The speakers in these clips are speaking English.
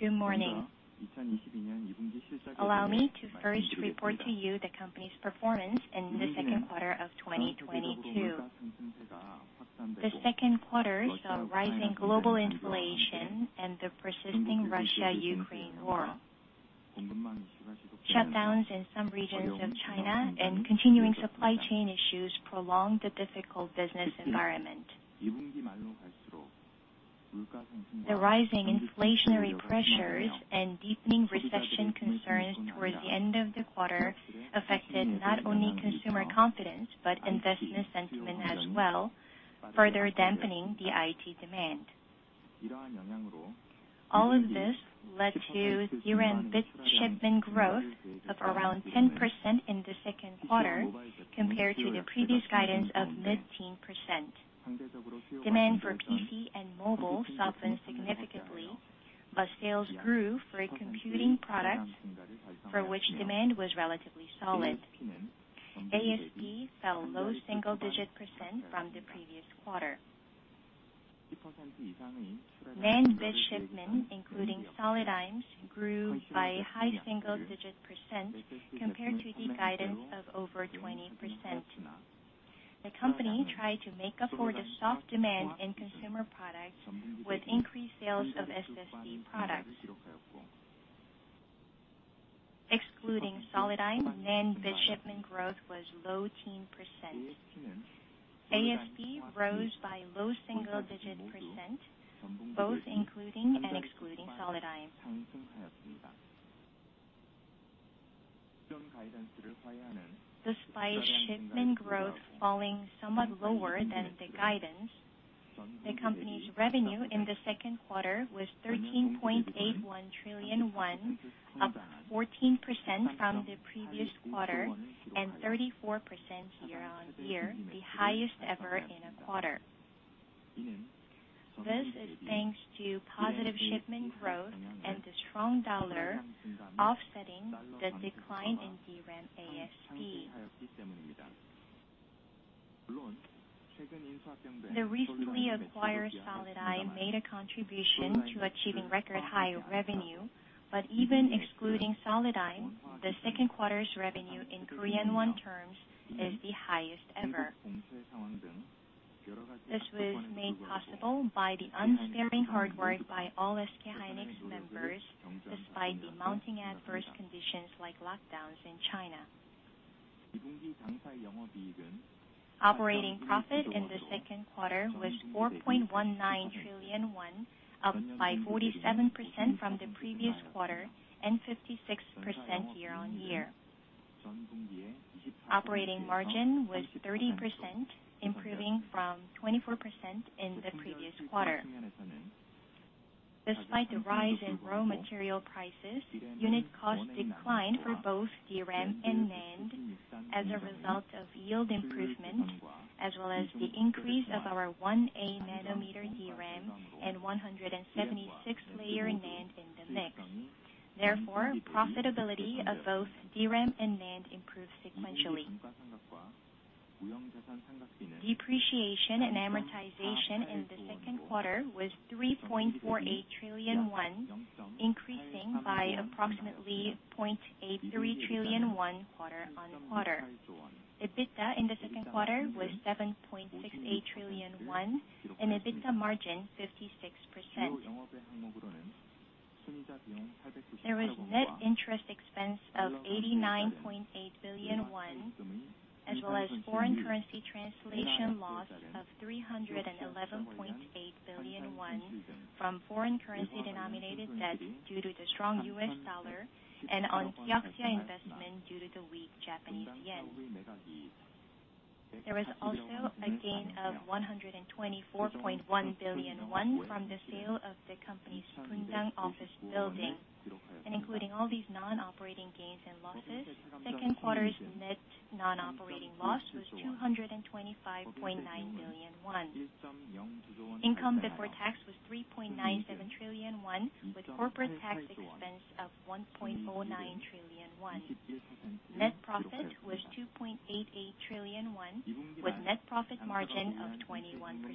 Good morning. Allow me to first report to you the company's performance in the second quarter of 2022. The second quarter saw rising global inflation and the persisting Russia-Ukraine war. Shutdowns in some regions of China and continuing supply chain issues prolonged the difficult business environment. The rising inflationary pressures and deepening recession concerns towards the end of the quarter affected not only consumer confidence, but investment sentiment as well, further dampening the IT demand. All of this led to DRAM bit shipment growth of around 10% in the second quarter compared to the previous guidance of mid-teens %. Demand for PC and mobile softened significantly, but sales grew for a computing product for which demand was relatively solid. ASP fell low single-digit % from the previous quarter. NAND bit shipment, including Solidigm, grew by high single-digit % compared to the guidance of over 20%. The company tried to make up for the soft demand in consumer products with increased sales of SSD products. Excluding Solidigm, NAND bit shipment growth was low teens %. ASP rose by low single-digit %, both including and excluding Solidigm. Despite shipment growth falling somewhat lower than the guidance, the company's revenue in the second quarter was 13.81 trillion won, up 14% from the previous quarter and 34% year-on-year, the highest ever in a quarter. This is thanks to positive shipment growth and the strong dollar offsetting the decline in DRAM ASP. The recently acquired Solidigm made a contribution to achieving record high revenue, but even excluding Solidigm, the second quarter's revenue in Korean won terms is the highest ever. This was made possible by the unsparing hard work by all SK hynix members, despite the mounting adverse conditions like lockdowns in China. Operating profit in the second quarter was 4.19 trillion won, up by 47% from the previous quarter and 56% year-on-year. Operating margin was 30%, improving from 24% in the previous quarter. Despite the rise in raw material prices, unit cost declined for both DRAM and NAND as a result of yield improvement, as well as the increase of our 1α nm DRAM and 176-layer NAND in the mix. Therefore, profitability of both DRAM and NAND improved sequentially. Depreciation and amortization in the second quarter was 3.48 trillion won, increasing by approximately 0.83 trillion won quarter-on-quarter. EBITDA in the second quarter was 7.68 trillion won, and EBITDA margin 56%. There was net interest expense of 89.8 billion won, as well as foreign currency translation loss of 311.8 billion won from foreign currency denominated debts due to the strong US dollar and on Kioxia investment due to the weak Japanese yen. There was also a gain of 124.1 billion won from the sale of the company's Bundang office building. Including all these non-operating gains and losses, second quarter's net non-operating loss was 225.9 million won. Income before tax was 3.97 trillion won, with corporate tax expense of 1.09 trillion won. Net profit was 2.88 trillion won, with net profit margin of 21%.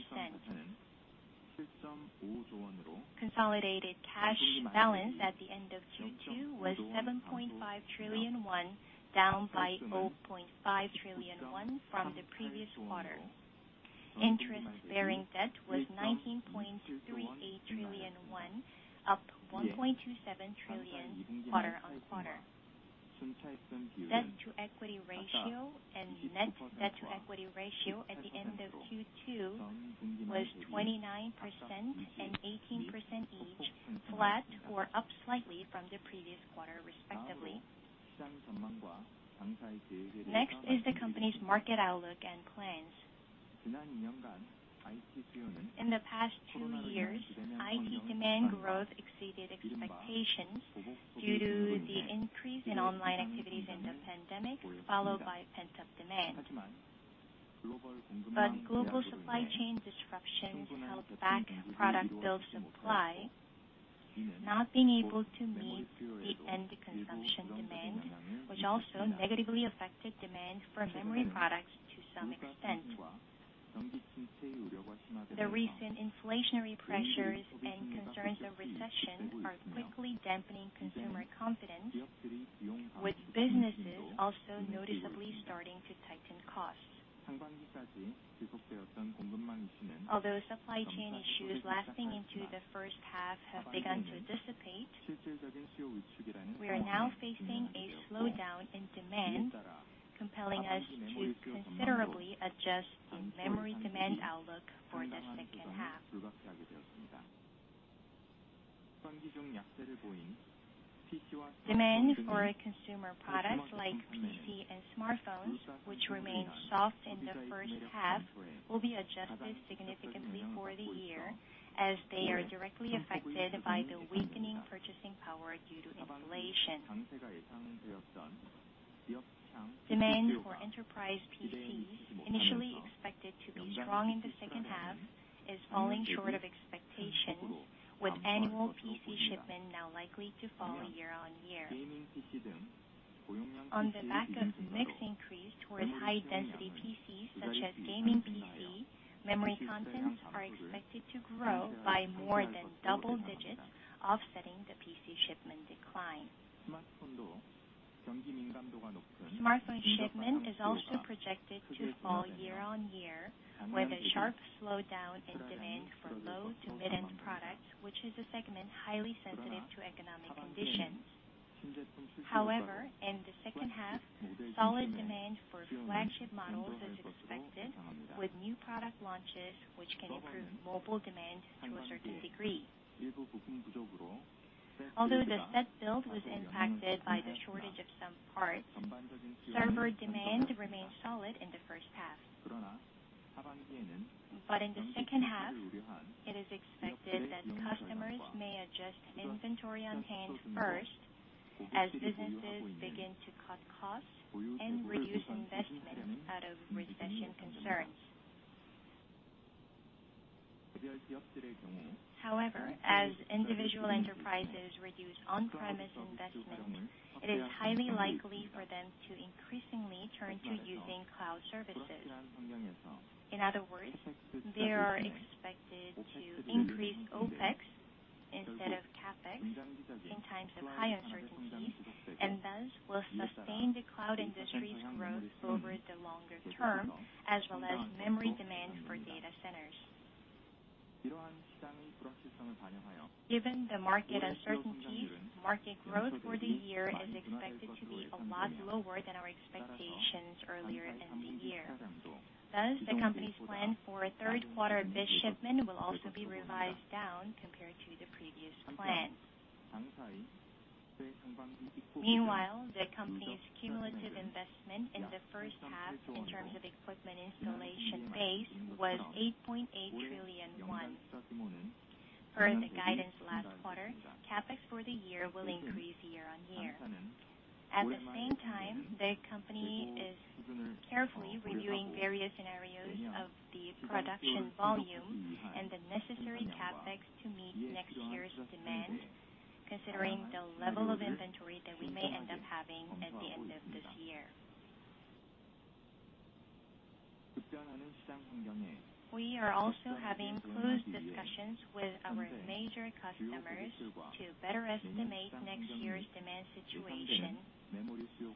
Consolidated cash balance at the end of Q2 was 7.5 trillion won, down by 0.5 trillion won from the previous quarter. Interest-bearing debt was 19.38 trillion won, up 1.27 trillion quarter-on-quarter. Debt to equity ratio and net debt to equity ratio at the end of Q2 was 29% and 18% each, flat or up slightly from the previous quarter, respectively. Next is the company's market outlook and plans. In the past two years, IT demand growth exceeded expectations due to the increase in online activities in the pandemic, followed by pent-up demand. Global supply chain disruptions held back product builds. Supply not being able to meet the end consumption demand, which also negatively affected demand for memory products to some extent. The recent inflationary pressures and concerns of recession are quickly dampening consumer confidence, with businesses also noticeably starting to tighten costs. Although supply chain issues lasting into the first half have begun to dissipate, we are now facing a slowdown in demand, compelling us to considerably adjust in memory demand outlook for the second half. Demand for consumer products like PC and smartphones, which remained soft in the first half, will be adjusted significantly for the year as they are directly affected by the weakening purchasing power due to inflation. Demand for enterprise PCs, initially expected to be strong in the second half, is falling short of expectations, with annual PC shipment now likely to fall year-on-year. On the back of mixed increase towards high density PCs such as gaming PC, memory contents are expected to grow by more than double digits, offsetting the PC shipment decline. Smartphone shipment is also projected to fall year-on-year, with a sharp slowdown in demand for low to mid-end products, which is a segment highly sensitive to economic conditions. However, in the second half, solid demand for flagship models is expected with new product launches which can improve mobile demand to a certain degree. Although the set build was impacted by the shortage of some parts, server demand remained solid in the first half. In the second half, it is expected that customers may adjust inventory on hand first as businesses begin to cut costs and reduce investments out of recession concerns. However, as individual enterprises reduce on-premise investments, it is highly likely for them to increasingly turn to using cloud services. In other words, they are expected to increase OpEx instead of CapEx in times of high uncertainties, and thus will sustain the cloud industry's growth over the longer term, as well as memory demand for data centers. Given the market uncertainty, market growth for the year is expected to be a lot lower than our expectations earlier in the year. Thus, the company's plan for third quarter bit shipment will also be revised down compared to the previous plan. Meanwhile, the company's cumulative investment in the first half in terms of equipment installation base was 8.8 trillion won. Per the guidance last quarter, CapEx for the year will increase year-on-year. At the same time, the company is carefully reviewing various scenarios of the production volume and the necessary CapEx to meet next year's demand, considering the level of inventory that we may end up having at the end of this year. We are also having close discussions with our major customers to better estimate next year's demand situation,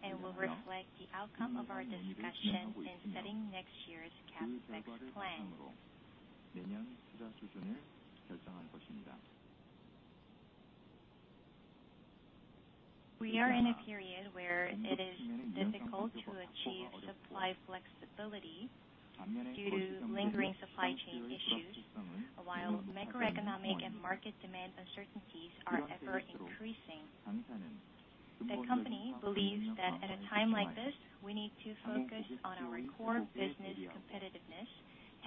and will reflect the outcome of our discussion in setting next year's CapEx plan. We are in a period where it is difficult to achieve supply flexibility due to lingering supply chain issues, while macroeconomic and market demand uncertainties are ever increasing. The company believes that at a time like this, we need to focus on our core business competitiveness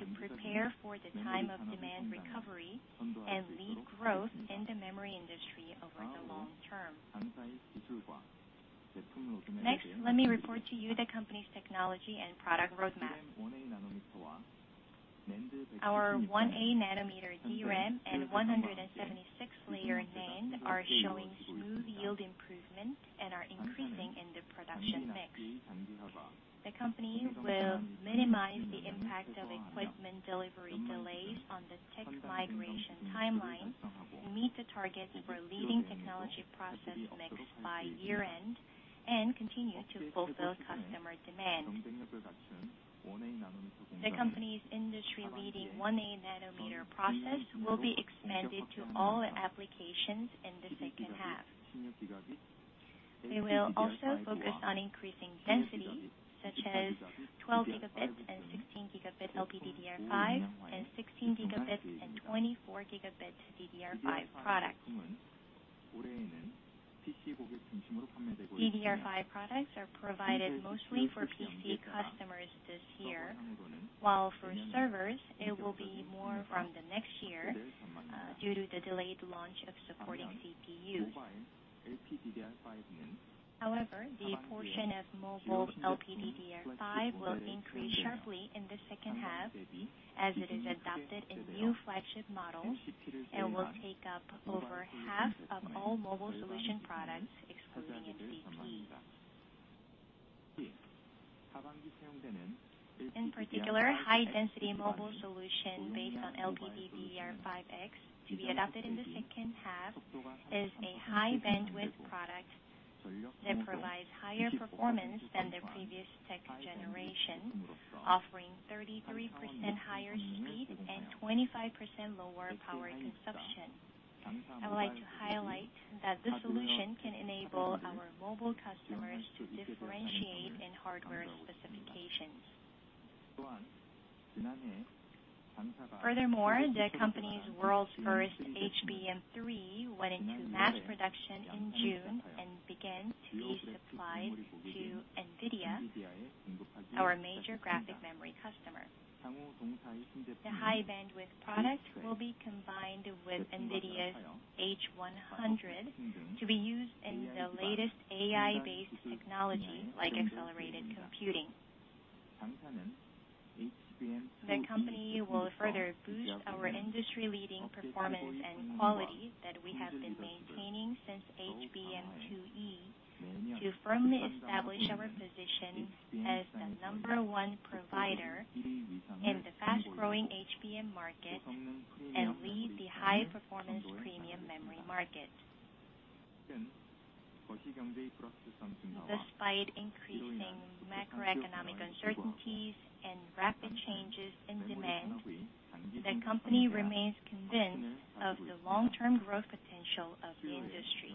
to prepare for the time of demand recovery and lead growth in the memory industry over the long term. Next, let me report to you the company's technology and product roadmap. Our 1α nm DRAM and 176-layer NAND are showing smooth yield improvement and are increasing in the production mix. The company will minimize the impact of equipment delivery delays on the tech migration timeline to meet the targets for leading technology process mix by year-end and continue to fulfill customer demand. The company's industry leading 1α nm process will be expanded to all applications in the second half. We will also focus on increasing density, such as 12-gigabit and 16-gigabit LPDDR5 and 16-gigabit and 24-gigabit DDR5 products. DDR5 products are provided mostly for PC customers this year, while for servers it will be more from the next year due to the delayed launch of supporting CPUs. However, the portion of mobile LPDDR5 will increase sharply in the second half as it is adopted in new flagship models and will take up over half of all mobile solution products, excluding LTE. In particular, high density mobile solution based on LPDDR5X to be adopted in the second half is a high bandwidth product that provides higher performance than the previous tech generation, offering 33% higher speed and 25% lower power consumption. I would like to highlight that this solution can enable our mobile customers to differentiate in hardware specifications. Furthermore, the company's world's first HBM3 went into mass production in June and began to be supplied to Nvidia, our major graphic memory customer. The high bandwidth product will be combined with Nvidia's H100 to be used in the latest AI-based technology like accelerated computing. The company will further boost our industry-leading performance and quality that we have been maintaining since HBM2E to firmly establish our position as the number one provider in the fast-growing HBM market and lead the high-performance premium memory market. Despite increasing macroeconomic uncertainties and rapid changes in demand, the company remains convinced of the long-term growth potential of the industry.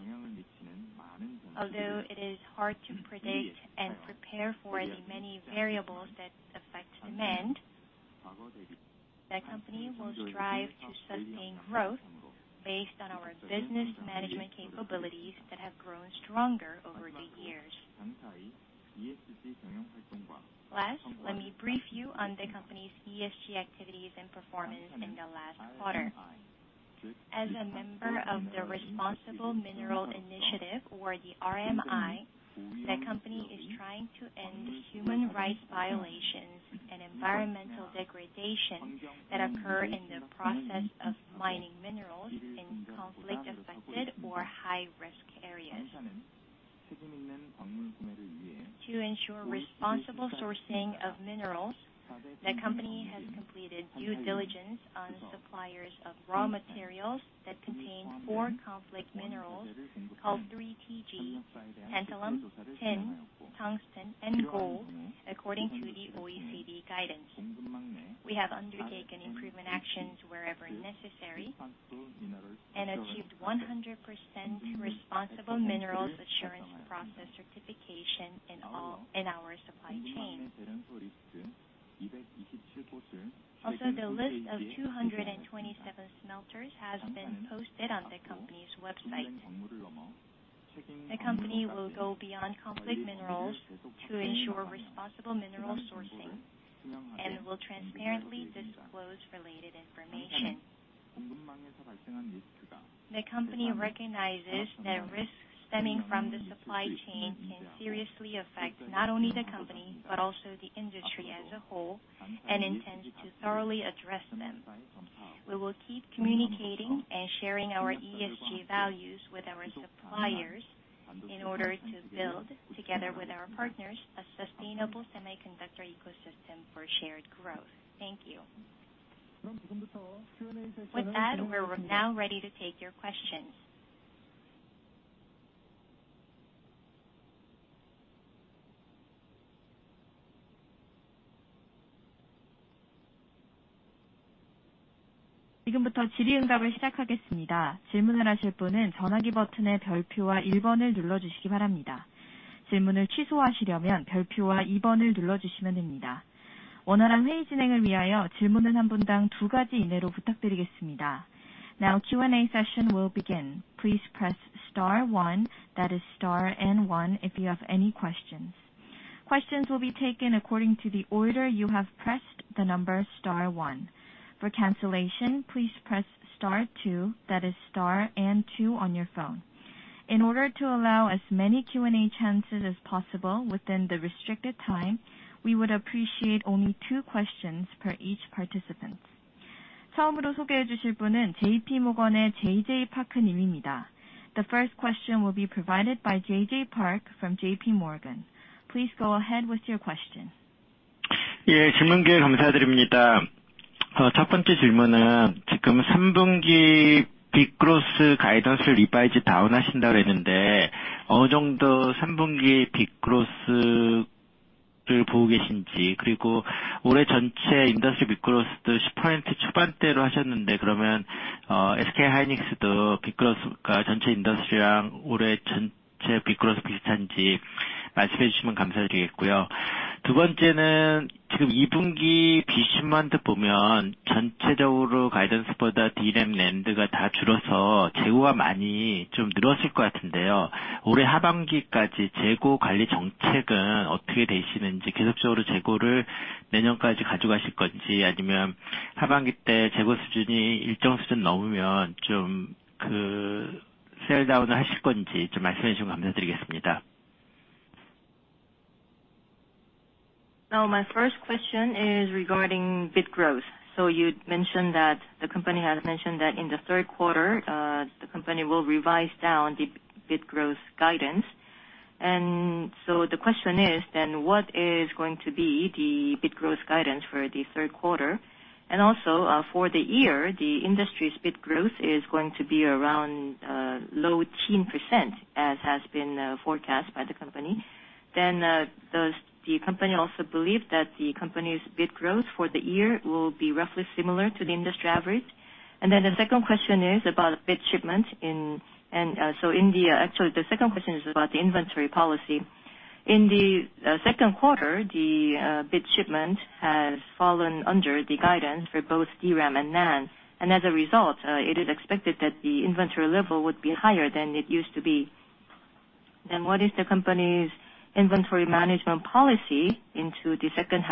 Although it is hard to predict and prepare for the many variables that affect demand, the company will strive to sustain growth based on our business management capabilities that have grown stronger over the years. Last, let me brief you on the company's ESG activities and performance in the last quarter. As a member of the Responsible Minerals Initiative, or the RMI, the company is trying to end human rights violations and environmental degradation that occur in the process of mining minerals in conflict-affected or high-risk areas. To ensure responsible sourcing of minerals, the company has completed due diligence on suppliers of raw materials that contain four conflict minerals called 3TG, tantalum, tin, tungsten, and gold according to the OECD guidance. We have undertaken improvement actions wherever necessary and achieved 100% responsible minerals assurance process certification in all in our supply chain. Also, the list of 227 smelters has been posted on the company's website. The company will go beyond conflict minerals to ensure responsible mineral sourcing and will transparently disclose related information. The company recognizes that risks stemming from the supply chain can seriously affect not only the company, but also the industry as a whole, and intends to thoroughly address them. We will keep communicating and sharing our ESG values with our suppliers in order to build together with our partners a sustainable semiconductor ecosystem for shared growth. Thank you. With that, we're now ready to take your questions. Now Q&A session will begin. Please press star one, that is star and one if you have any questions. Questions will be taken according to the order you have pressed the number star one. For cancellation, please press star two, that is star and two on your phone. In order to allow as many Q&A chances as possible within the restricted time, we would appreciate only two questions per each participant. The first question will be provided by J.J. Park from JPMorgan. Please go ahead with your question. Yeah. Now my first question is regarding bit growth. You'd mentioned that the company has mentioned that in the third quarter, the company will revise down the bit growth guidance. The question is then what is going to be the bit growth guidance for the third quarter? Also, for the year, the industry's bit growth is going to be around low teens%, as has been forecast by the company. Does the company also believe that the company's bit growth for the year will be roughly similar to the industry average? Actually, the second question is about the inventory policy. In the second quarter, the bit shipment has fallen under the guidance for both DRAM and NAND. As a result, it is expected that the inventory level would be higher than it used to be. What is the company's inventory management policy into the second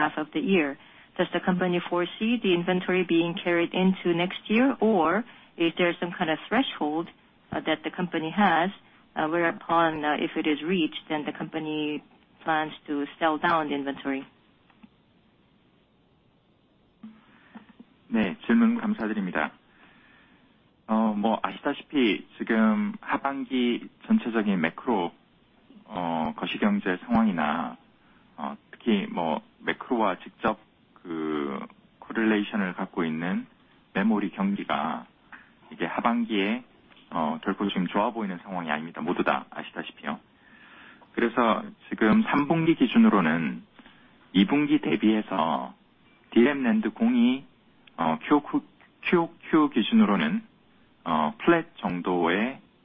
half of the year? Does the company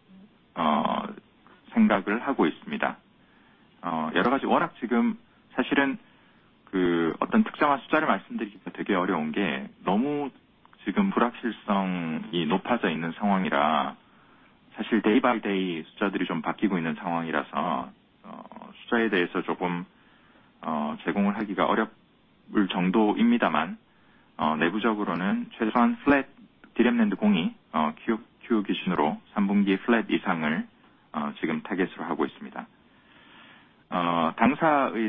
foresee the inventory being carried into next year? Or is there some kind of threshold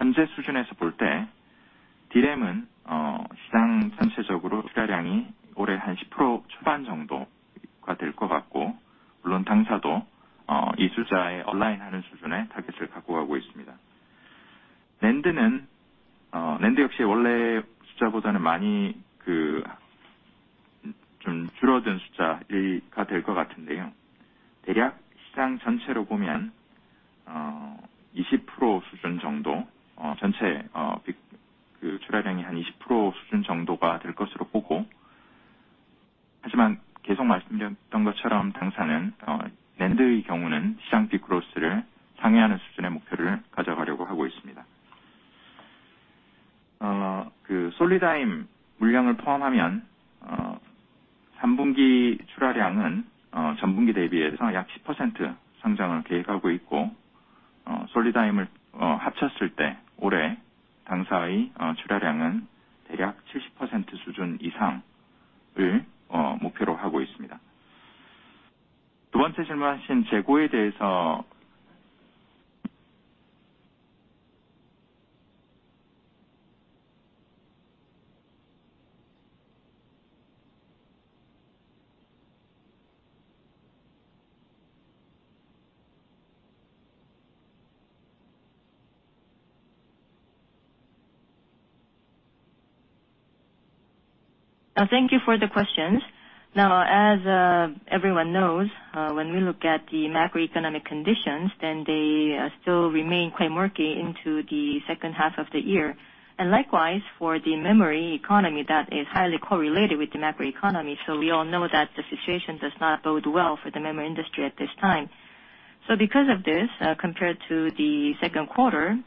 that the company has, whereupon if it is reached, then the company plans to sell down the inventory? Thank you for the questions. Now, as everyone knows, when we look at the macroeconomic conditions, then they still remain quite murky into the second half of the year. Likewise for the memory economy that is highly correlated with the macroeconomy, so we all know that the situation does not bode well for the memory industry at this time. Because of this, compared to the second quarter,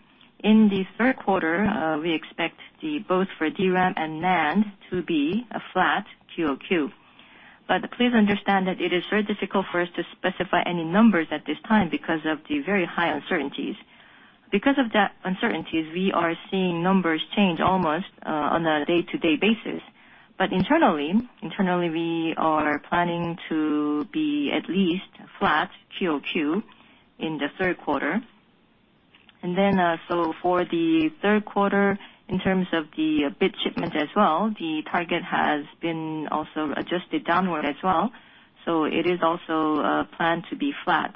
in the third quarter, we expect the both for DRAM and NAND to be a flat QOQ. Please understand that it is very difficult for us to specify any numbers at this time because of the very high uncertainties. Because of that uncertainties, we are seeing numbers change almost on a day-to-day basis. Internally, we are planning to be at least flat QOQ in the third quarter. For the third quarter, in terms of the bit shipment as well, the target has been also adjusted downward as well. It is also planned to be flat.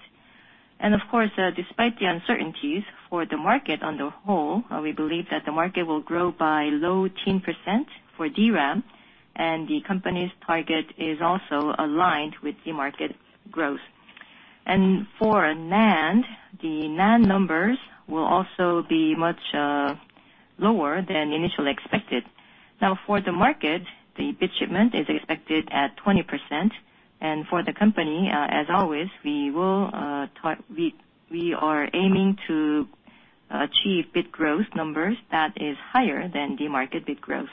Of course, despite the uncertainties for the market on the whole, we believe that the market will grow by low teens% for DRAM, and the company's target is also aligned with the market growth. For NAND, the NAND numbers will also be much lower than initially expected. Now, for the market, the bit shipment is expected at 20%. For the company, as always, we are aiming to achieve bit growth numbers that is higher than the market bit growth.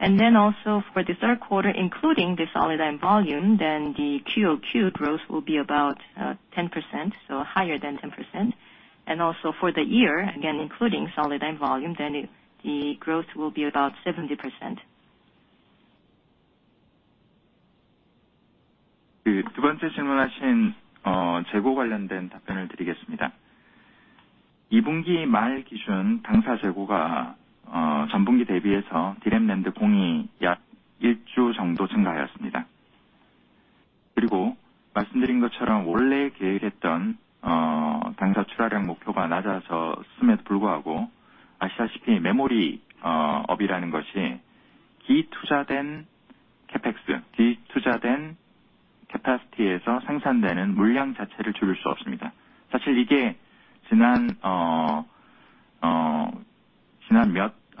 For the third quarter, including the Solidigm volume, the QOQ growth will be about 10%, so higher than 10%. For the year, again including Solidigm volume, the growth will be about 70%. Now on your second question about the inventory at the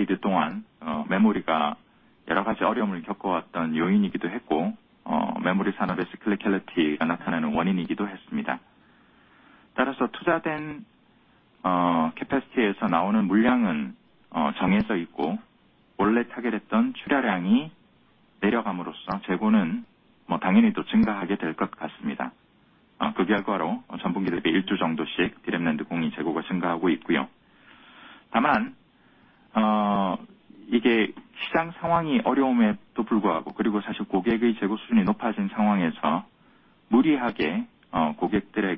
end of the second quarter. Now for both DRAM and NAND, the inventory level has gone up by around one week. As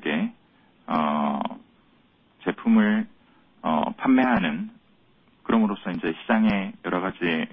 has been explained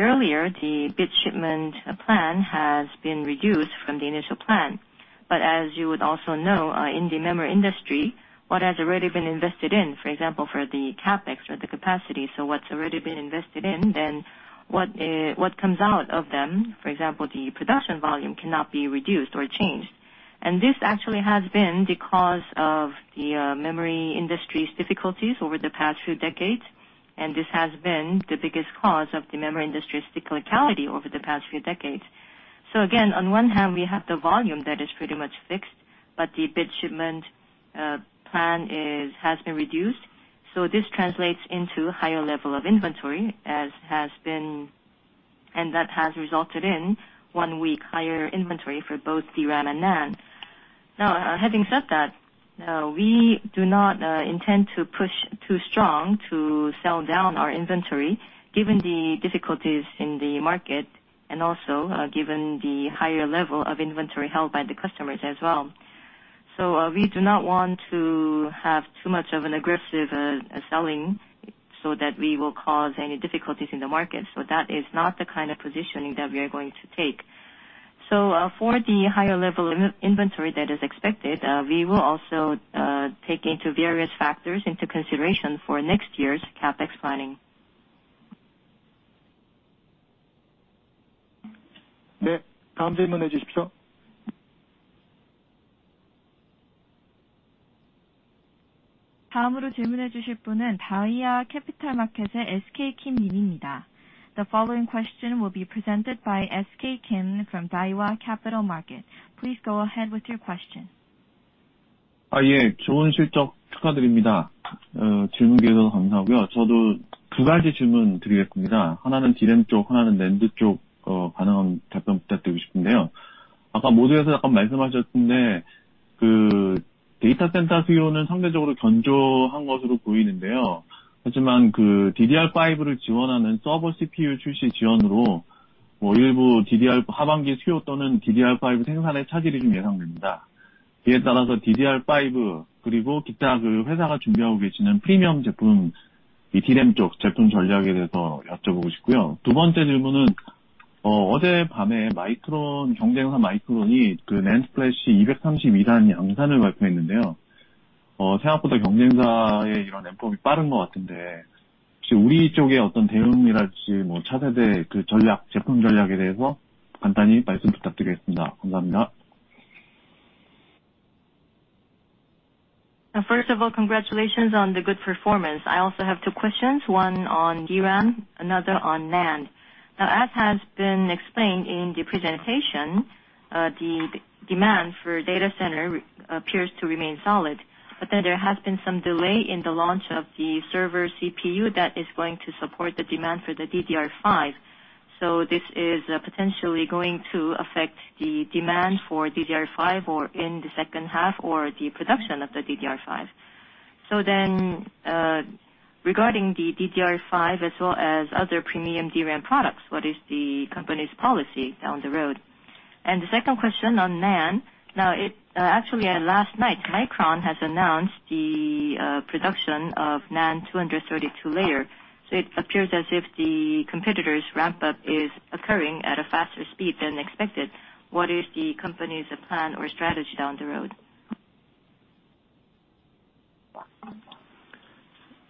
earlier, the bit shipment plan has been reduced from the initial plan. As you would also know, in the memory industry, what has already been invested in, for example, for the CapEx or the capacity. What's already been invested in then what comes out of them, for example, the production volume cannot be reduced or changed. This actually has been the cause of the memory industry's difficulties over the past few decades, and this has been the biggest cause of the memory industry's cyclicality over the past few decades. Again, on one hand, we have the volume that is pretty much fixed, but the bit shipment plan has been reduced. This translates into higher level of inventory, and that has resulted in one week higher inventory for both DRAM and NAND. Now, having said that, we do not intend to push too strong to sell down our inventory given the difficulties in the market and also, given the higher level of inventory held by the customers as well. We do not want to have too much of an aggressive selling so that we will cause any difficulties in the market. That is not the kind of positioning that we are going to take. For the higher level of inventory that is expected, we will also take into various factors into consideration for next year's CapEx planning. The following question will be presented by S.K. Kim from Daiwa Capital Markets. Please go ahead with your question. Now, first of all, congratulations on the good performance. I also have two questions, one on DRAM, another on NAND. Now, as has been explained in the presentation, the demand for data center appears to remain solid. There has been some delay in the launch of the server CPU that is going to support the demand for the DDR5. This is potentially going to affect the demand for DDR5 or in the second half or the production of the DDR5. Regarding the DDR5 as well as other premium DRAM products, what is the company's policy down the road? The second question on NAND. Now it actually last night, Micron has announced the production of NAND 232-layer. It appears as if the competitor's ramp up is occurring at a faster speed than expected. What is the company's plan or strategy down the road?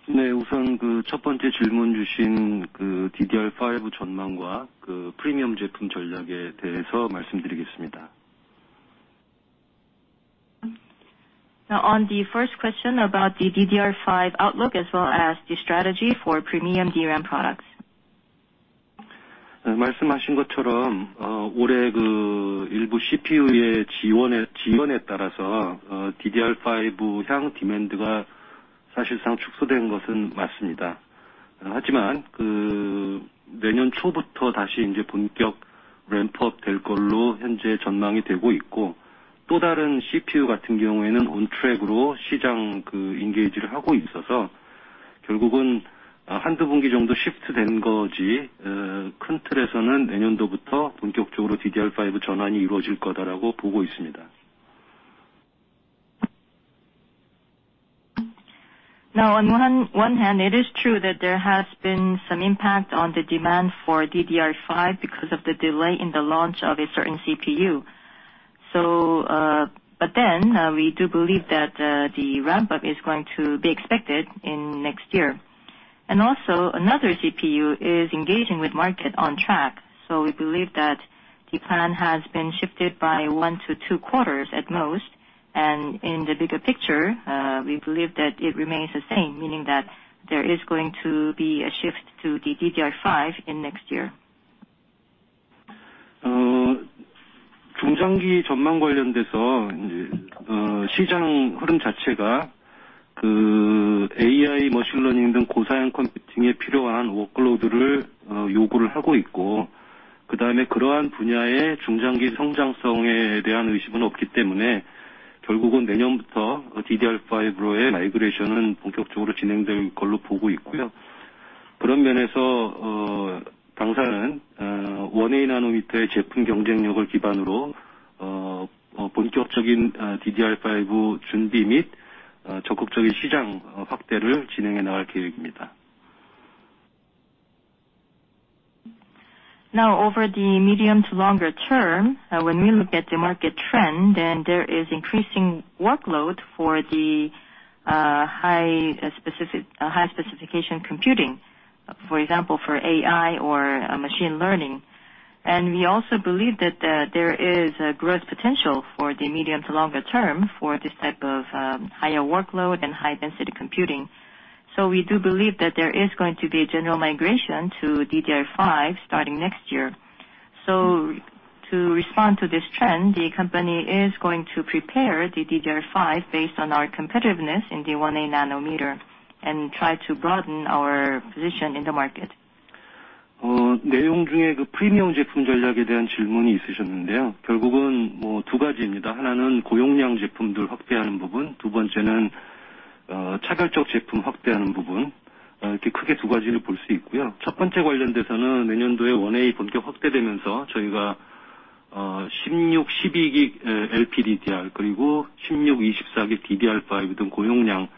우선 첫 번째 질문 주신 DDR5 전망과 프리미엄 제품 전략에 대해서 말씀드리겠습니다. Now, on the first question about the DDR5 outlook as well as the strategy for premium DRAM products. 말씀하신 것처럼 올해 그 일부 CPU의 지원에 따라서 DDR5 향 demand가 사실상 축소된 것은 맞습니다. 하지만 그 내년 초부터 다시 이제 본격 ramp-up 될 걸로 현재 전망이 되고 있고, 또 다른 CPU 같은 경우에는 on track으로 시장 그 engage를 하고 있어서 결국은 한, 두 분기 정도 shift 된 거지. 큰 틀에서는 내년부터 본격적으로 DDR5 전환이 이루어질 거다라고 보고 있습니다. On one hand, it is true that there has been some impact on the demand for DDR5 because of the delay in the launch of a certain CPU. But then we do believe that the ramp up is going to be expected in next year. Also another CPU is engaging with market on track. We believe that the plan has been shifted by 1-2 quarters at most. In the bigger picture, we believe that it remains the same, meaning that there is going to be a shift to the DDR5 in next year. 중장기 전망 관련돼서 시장 흐름 자체가 AI 머신러닝 등 고사양 컴퓨팅에 필요한 워크로드를 요구를 하고 있고, 그다음에 그러한 분야의 중장기 성장성에 대한 의심은 없기 때문에 결국은 내년부터 DDR5로의 migration은 본격적으로 진행될 걸로 보고 있고요. 그런 면에서 당사는 1α nm의 제품 경쟁력을 기반으로 본격적인 DDR5 준비 및 적극적인 시장 확대를 진행해 나갈 계획입니다. Now over the medium to longer term, when we look at the market trend and there is increasing workload for the high specification computing, for example for AI or machine learning. We also believe that there is a growth potential for the medium to longer term for this type of higher workload and high density computing. We do believe that there is going to be a general migration to DDR5 starting next year. To respond to this trend, the company is going to prepare the DDR5 based on our competitiveness in the 1α nm and try to broaden our position in the market. 내용 중에 그 프리미엄 제품 전략에 대한 질문이 있으셨는데요. 결국은 뭐두 가지입니다. 하나는 고용량 제품들 확대하는 부분, 두 번째는 차별적 제품 확대하는 부분, 이렇게 크게 두 가지로 볼수 있고요. 첫 번째 관련돼서는 내년도에 1α nm 본격 확대되면서 저희가 16, 12GB LPDDR5, 그리고 16, 24GB DDR5 등 고용량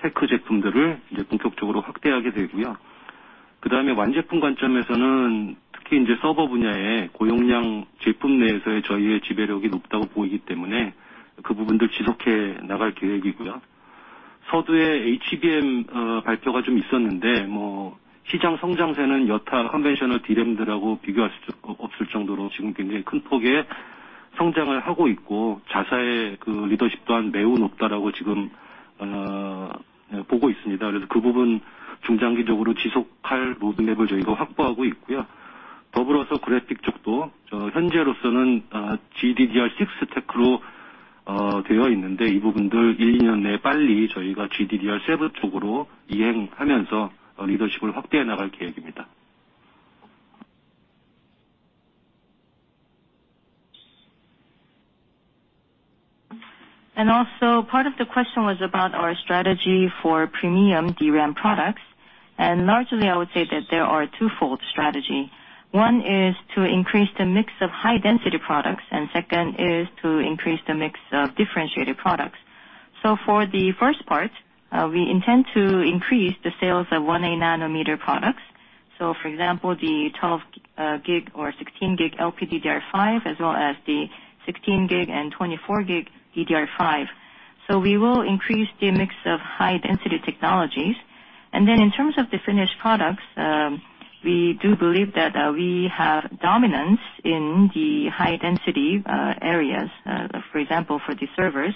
tech 제품들을 이제 본격적으로 확대하게 되고요. 그다음에 완제품 관점에서는 특히 이제 서버 분야에 고용량 제품 내에서의 저희의 지배력이 높다고 보이기 때문에 그 부분들 지속해 나갈 계획이고요. 서두에 HBM 발표가 좀 있었는데 뭐 시장 성장세는 여타 conventional DRAM들하고 비교할 수 없을 정도로 지금 굉장히 큰 폭의 성장을 하고 있고, 자사의 그 leadership 또한 매우 높다라고 지금 보고 있습니다. 그래서 그 부분 중장기적으로 지속할 roadmap을 저희가 확보하고 있고요. 더불어서 그래픽 쪽도 저 현재로서는 GDDR6 tech로 되어 있는데 이 부분들 1, 2년 내 빨리 저희가 GDDR7 쪽으로 이행하면서 leadership을 확대해 나갈 계획입니다. Also part of the question was about our strategy for premium DRAM products. Largely I would say that there are twofold strategy. One is to increase the mix of high density products and second is to increase the mix of differentiated products. For the first part, we intend to increase the sales of 1α nm products. For example, the 12 gig or 16 gig LPDDR5 as well as the 16 gig and 24 gig DDR5. We will increase the mix of high density technologies. Then in terms of the finished products, we do believe that we have dominance in the high density areas, for example for the servers.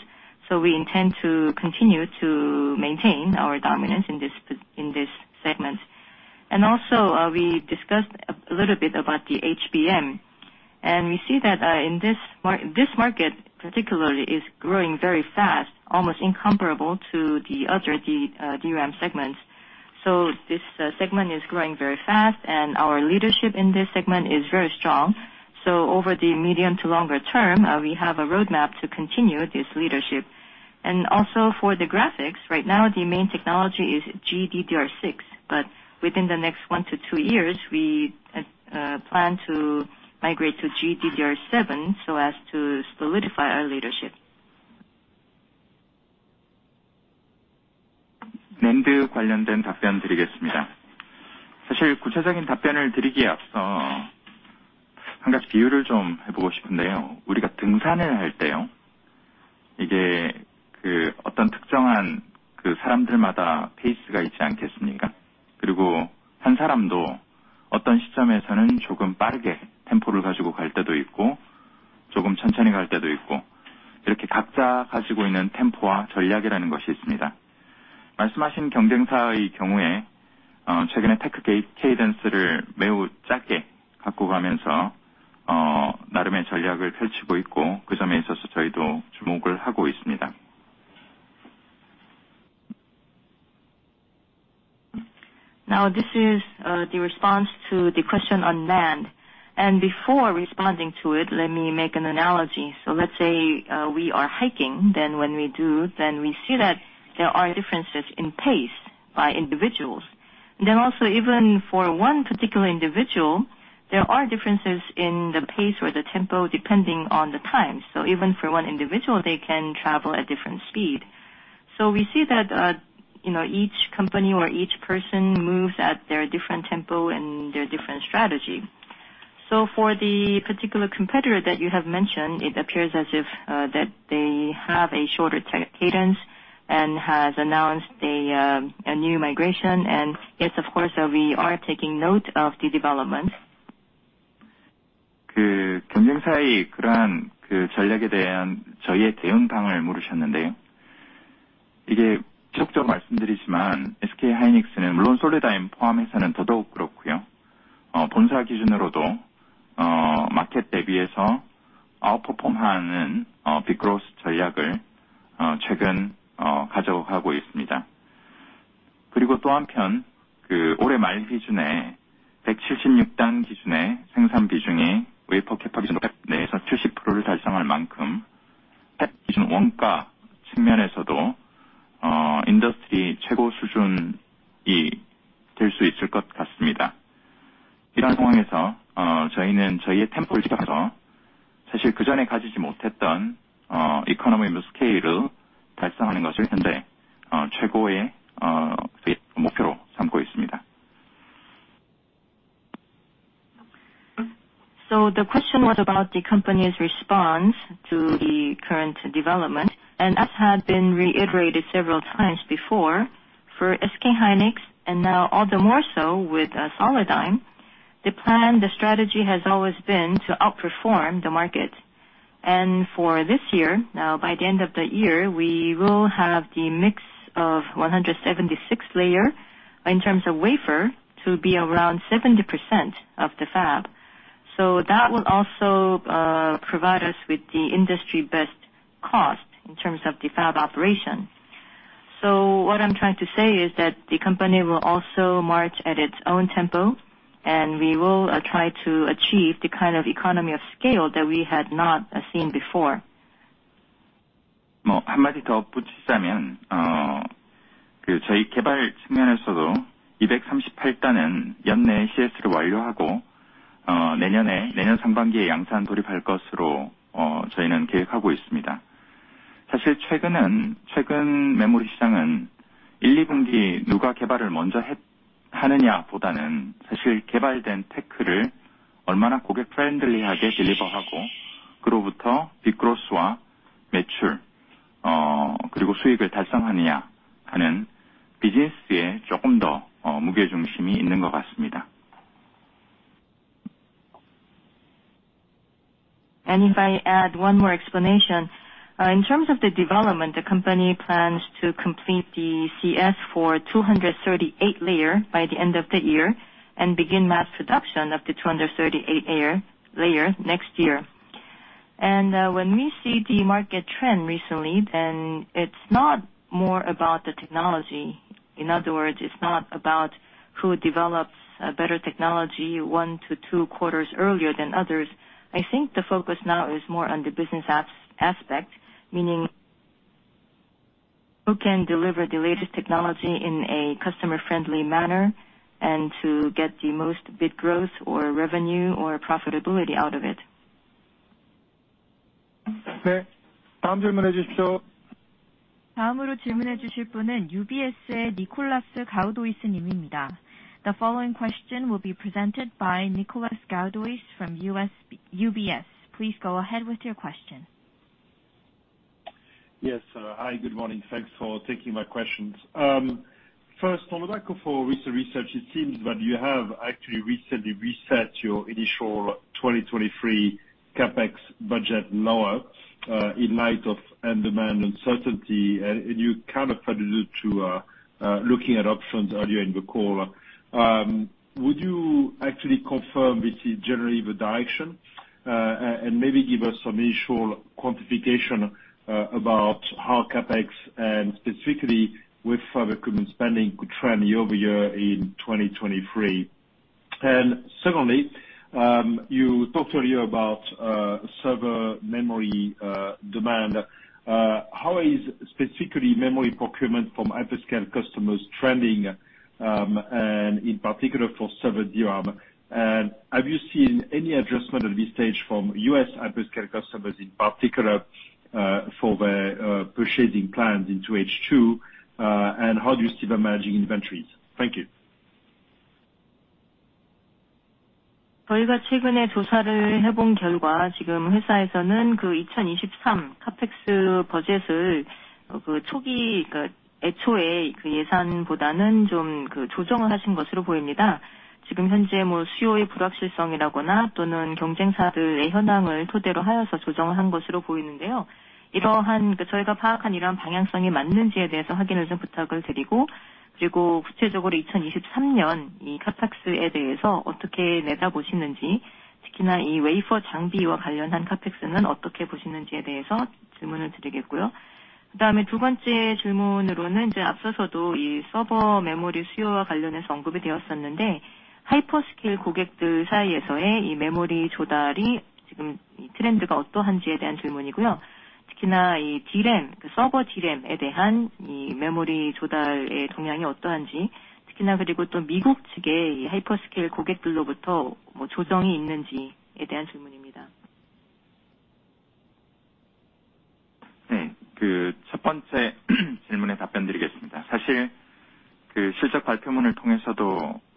We intend to continue to maintain our dominance in this segment. We discussed a little bit about the HBM, and we see that in this market particularly is growing very fast, almost incomparable to the other DRAM segments. This segment is growing very fast, and our leadership in this segment is very strong. Over the medium to longer term, we have a roadmap to continue this leadership. For the graphics right now the main technology is GDDR6. Within the next one to two years, we plan to migrate to GDDR7 so as to solidify our leadership. NAND 관련된 답변 드리겠습니다. 사실 구체적인 답변을 드리기에 앞서 Now this is the response to the question on NAND. Before responding to it, let me make an analogy. Let's say we are hiking, then when we do we see that there are differences in pace by individuals. Also even for one particular individual, there are differences in the pace or the tempo depending on the time. Even for one individual, they can travel at different speed. We see that you know, each company or each person moves at their different tempo and their different strategy. For the particular competitor that you have mentioned, it appears as if that they have a shorter tech cadence and has announced a new migration. Yes, of course, we are taking note of the development. The question was about the company's response to the current development and as had been reiterated several times before, for SK hynix and now all the more so with Solidigm, the plan, the strategy has always been to outperform the market. For this year, now by the end of the year, we will have the mix of 176-layer in terms of wafer to be around 70% of the fab. That will also provide us with the industry best cost in terms of the fab operation. What I'm trying to say is that the company will also march at its own tempo, and we will try to achieve the kind of economy of scale that we had not seen before. If I add one more explanation, in terms of the development, the company plans to complete the CS for 238-layer by the end of the year and begin mass production of the 238-layer next year. When we see the market trend recently, then it's not more about the technology. In other words, it's not about who develops a better technology 1-2 quarters earlier than others. I think the focus now is more on the business aspect, meaning who can deliver the latest technology in a customer friendly manner and to get the most bit growth or revenue or profitability out of it. The following question will be presented by Nicolas Gaudois from UBS. Please go ahead with your question. Yes. Hi, good morning. Thanks for taking my questions. First on the back of our recent research, it seems that you have actually recently reset your initial 2023 CapEx budget lower, in light of end demand uncertainty. You kind of alluded to looking at options earlier in the call. Would you actually confirm this is generally the direction? Maybe give us some initial quantification about how CapEx and specifically with further equipment spending could trend year-over-year in 2023. Secondly, you talked earlier about server memory demand. How is specifically memory procurement from hyperscale customers trending, and in particular for server DRAM? Have you seen any adjustment at this stage from U.S. hyperscale customers in particular? For the purchasing plans into H2. How do you see the managing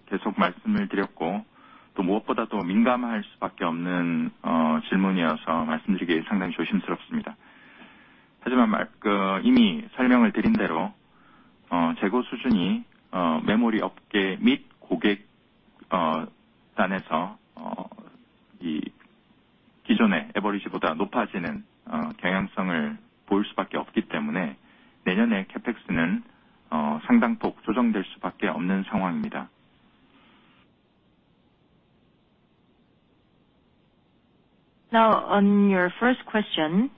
inventories? Thank you. Now on your first question.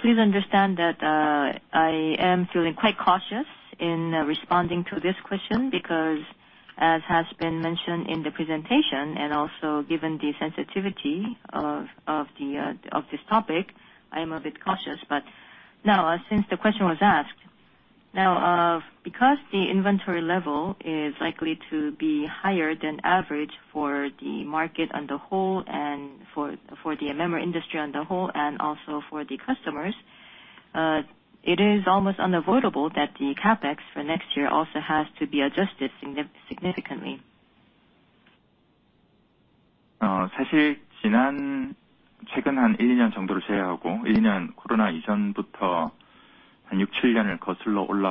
Please understand that I am feeling quite cautious in responding to this question because as has been mentioned in the presentation and also given the sensitivity of this topic, I am a bit cautious. Now, since the question was asked, because the inventory level is likely to be higher than average for the market on the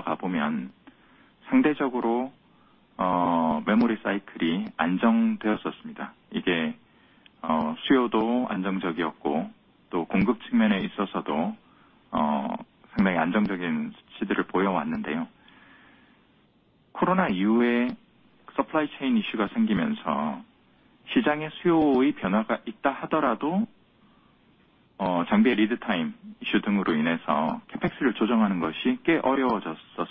whole and for the memory industry on the whole and also for the customers, it is almost unavoidable that the CapEx for next year also has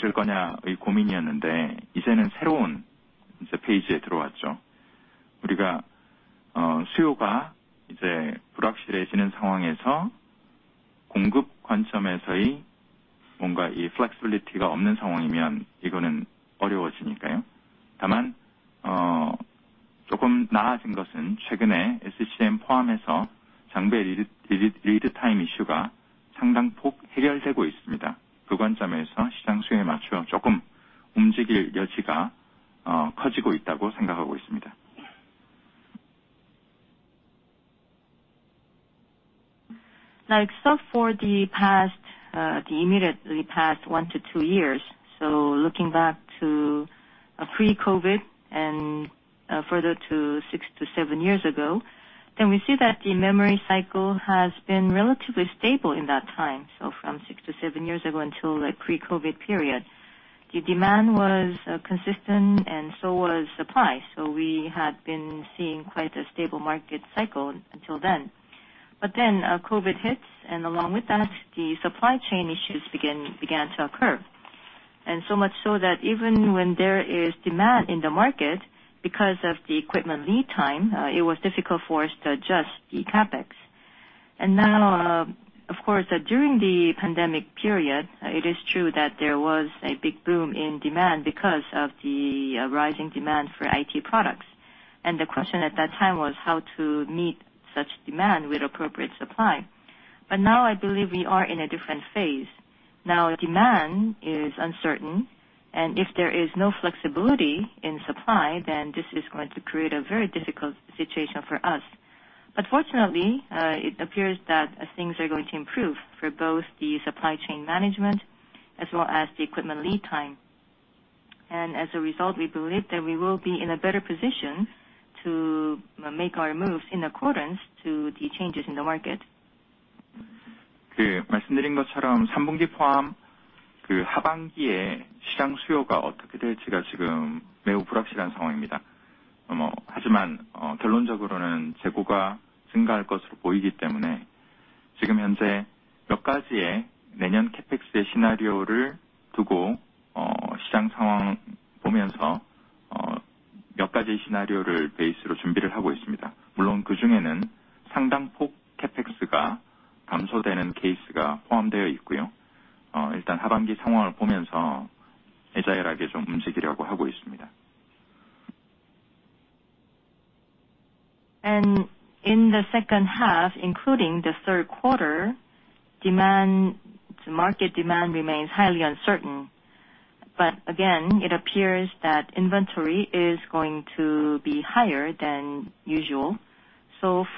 to be adjusted significantly. Except for the past, the immediately past 1-2 years. Looking back to pre-COVID and further to 6-7 years ago, then we see that the memory cycle has been relatively stable in that time. From 6-7 years ago until the pre-COVID period, the demand was consistent and so was supply. We had been seeing quite a stable market cycle until then. Then COVID hits and along with that, the supply chain issues began to occur. So much so that even when there is demand in the market because of the equipment lead time, it was difficult for us to adjust the CapEx. Now, of course, during the pandemic period, it is true that there was a big boom in demand because of the rising demand for IT products. The question at that time was how to meet such demand with appropriate supply. Now I believe we are in a different phase. Now demand is uncertain, and if there is no flexibility in supply, then this is going to create a very difficult situation for us. Fortunately, it appears that things are going to improve for both the supply chain management as well as the equipment lead time. As a result, we believe that we will be in a better position to make our moves in accordance to the changes in the market. In the second half, including the third quarter demand, the market demand remains highly uncertain. Again, it appears that inventory is going to be higher than usual.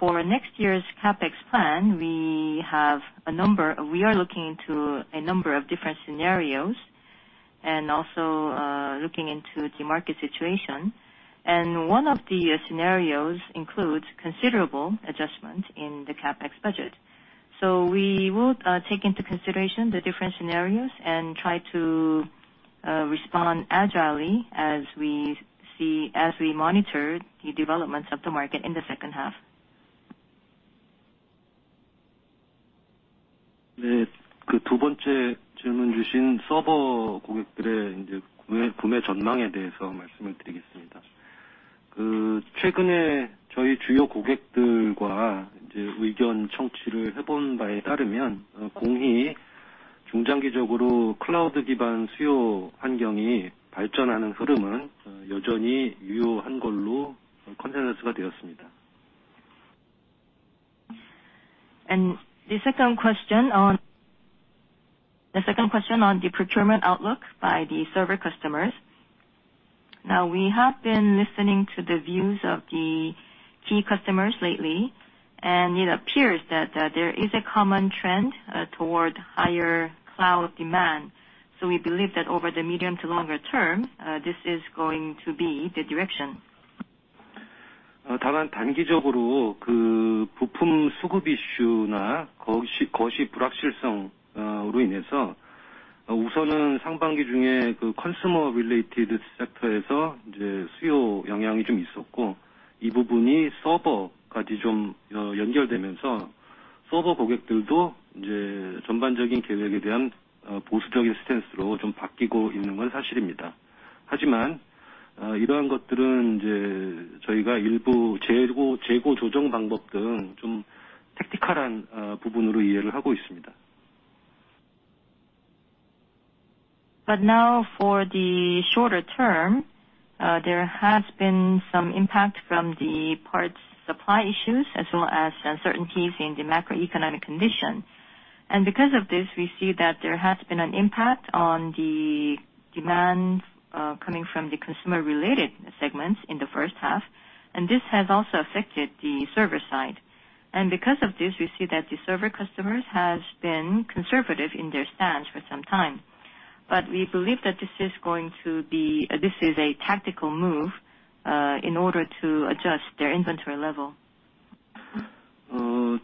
For next year's CapEx plan, we have a number, we are looking into a number of different scenarios and also, looking into the market situation. One of the scenarios includes considerable adjustment in the CapEx budget. We will take into consideration the different scenarios and try to respond agilely as we see, as we monitor the developments of the market in the second half. The second question on the procurement outlook by the server customers. Now we have been listening to the views of the key customers lately, and it appears that there is a common trend toward higher cloud demand. We believe that over the medium to longer term, this is going to be the direction. Now for the shorter term, there has been some impact from the parts supply issues as well as uncertainties in the macroeconomic condition. Because of this, we see that there has been an impact on the demand coming from the consumer-related segments in the first half. This has also affected the server side. Because of this, we see that the server customers has been conservative in their stance for some time. We believe that this is going to be, this is a tactical move, in order to adjust their inventory level. Now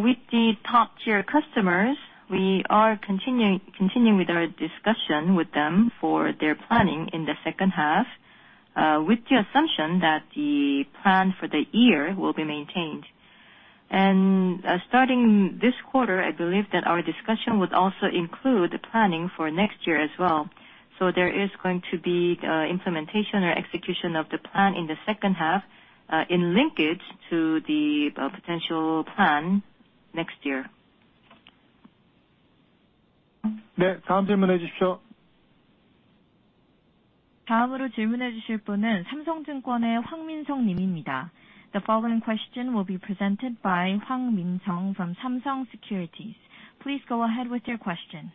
with the top tier customers, we are continuing with our discussion with them for their planning in the second half, with the assumption that the plan for the year will be maintained. Starting this quarter, I believe that our discussion would also include planning for next year as well. There is going to be, implementation or execution of the plan in the second half, in linkage to the potential plan next year. The following question will be presented by MinSeong Hwang from Samsung Securities. Please go ahead with your question.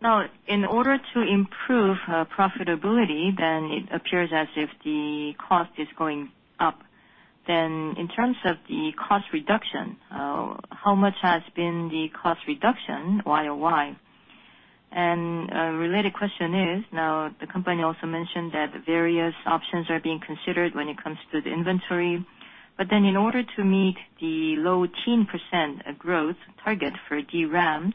Now, in order to improve profitability then it appears as if the cost is going up. In terms of the cost reduction, how much has been the cost reduction YOY? A related question is now the company also mentioned that various options are being considered when it comes to the inventory. In order to meet the low teens % growth target for DRAM,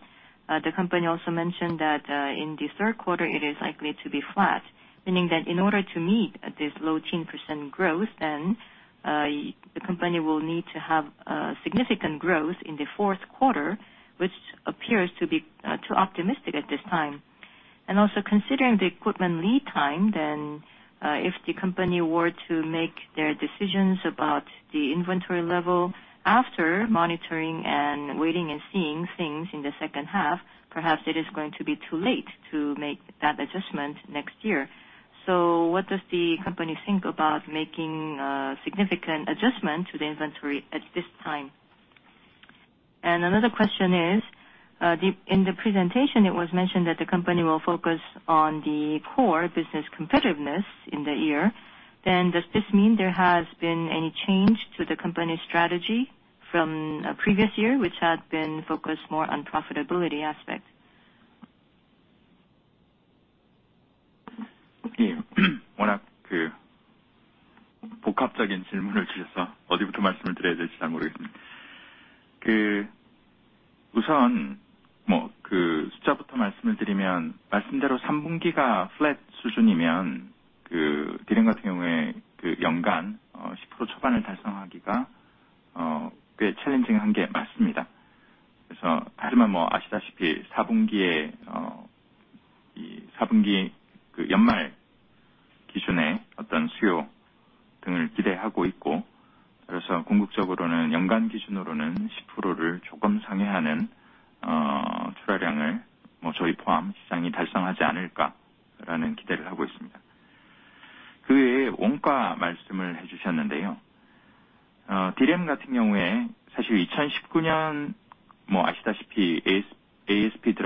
the company also mentioned that in the third quarter it is likely to be flat, meaning that in order to meet this low teens % growth, the company will need to have significant growth in the fourth quarter, which appears to be too optimistic at this time. Also considering the equipment lead time, if the company were to make their decisions about the inventory level after monitoring and waiting and seeing things in the second half, perhaps it is going to be too late to make that adjustment next year. What does the company think about making significant adjustment to the inventory at this time? Another question is, in the presentation, it was mentioned that the company will focus on the core business competitiveness in the year. Does this mean there has been any change to the company's strategy from previous year, which had been focused more on profitability aspect?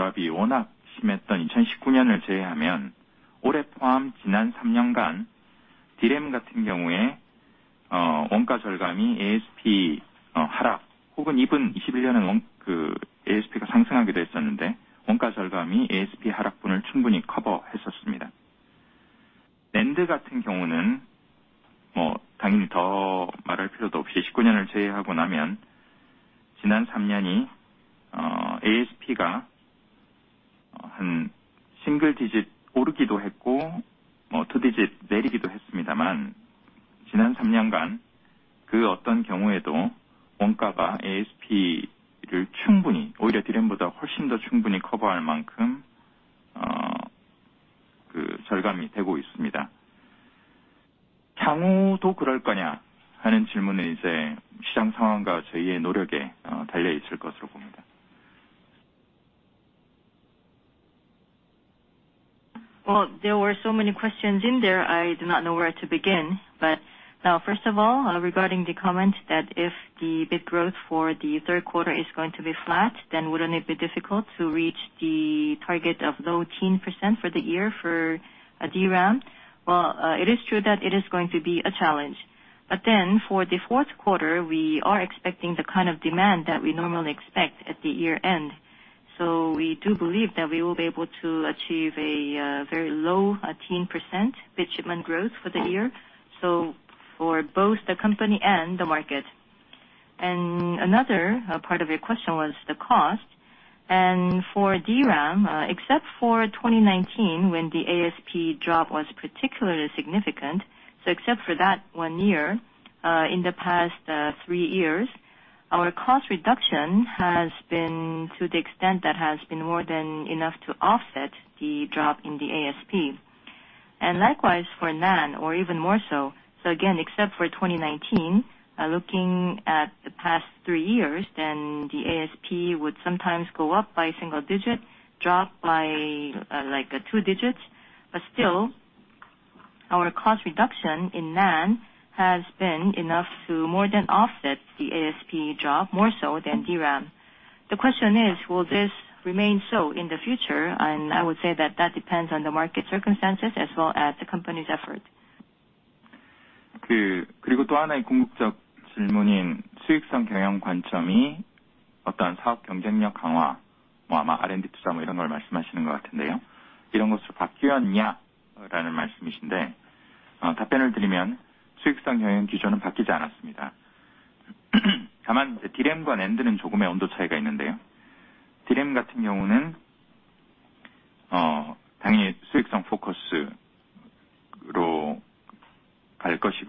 Well, there were so many questions in there, I do not know where to begin. Now first of all, regarding the comment that if the bit growth for the third quarter is going to be flat, then wouldn't it be difficult to reach the target of low teens% for the year for DRAM? Well, it is true that it is going to be a challenge, but then for the fourth quarter, we are expecting the kind of demand that we normally expect at the year-end. We do believe that we will be able to achieve a very low-teens % bit shipment growth for the year. For both the company and the market. Another part of your question was the cost. For DRAM, except for 2019 when the ASP drop was particularly significant. Except for that one year, in the past 3 years, our cost reduction has been to the extent that has been more than enough to offset the drop in the ASP. Likewise for NAND or even more so. Again, except for 2019, looking at the past three years then the ASP would sometimes go up by single digit, drop by, like, two digits. Still, our cost reduction in NAND has been enough to more than offset the ASP drop, more so than DRAM. The question is, will this remain so in the future? I would say that depends on the market circumstances as well as the company's efforts.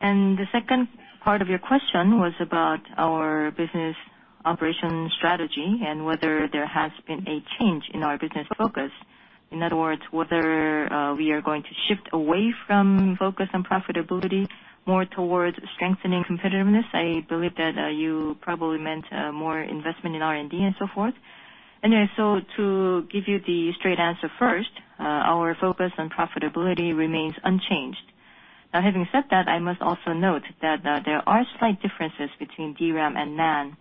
The second part of your question was about our business operation strategy and whether there has been a change in our business focus. In other words, whether we are going to shift away from focus on profitability, more towards strengthening competitiveness. I believe that you probably meant more investment in R&D and so forth. To give you the straight answer first, our focus on profitability remains unchanged. Now, having said that, I must also note that, there are slight differences between DRAM and NAND.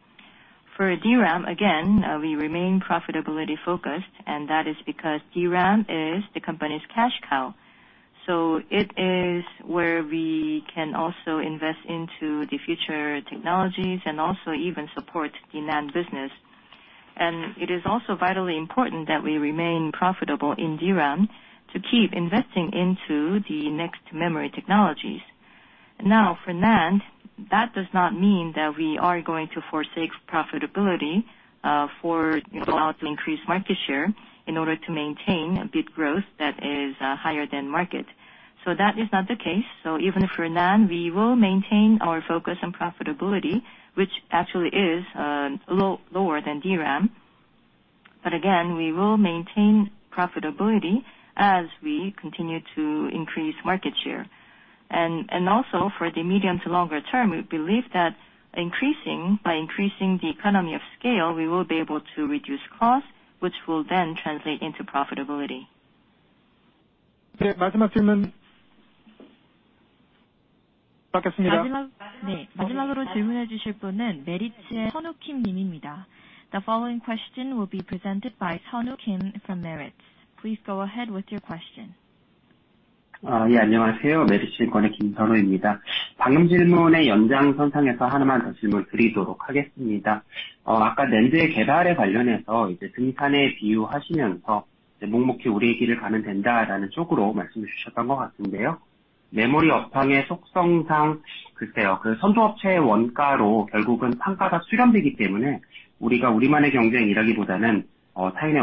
For DRAM, again, we remain profitability focused, and that is because DRAM is the company's cash cow. It is where we can also invest into the future technologies and also even support the NAND business. It is also vitally important that we remain profitable in DRAM to keep investing into the next memory technologies. Now, for NAND, that does not mean that we are going to forsake profitability, for, you know, to increase market share in order to maintain a bit growth that is, higher than market. That is not the case. Even for NAND, we will maintain our focus on profitability, which actually is low, lower than DRAM. Again, we will maintain profitability as we continue to increase market share. Also for the medium to longer term, we believe that by increasing the economy of scale, we will be able to reduce costs, which will then translate into profitability. The following question will be presented by Sean Kim from Meritz. Please go ahead with your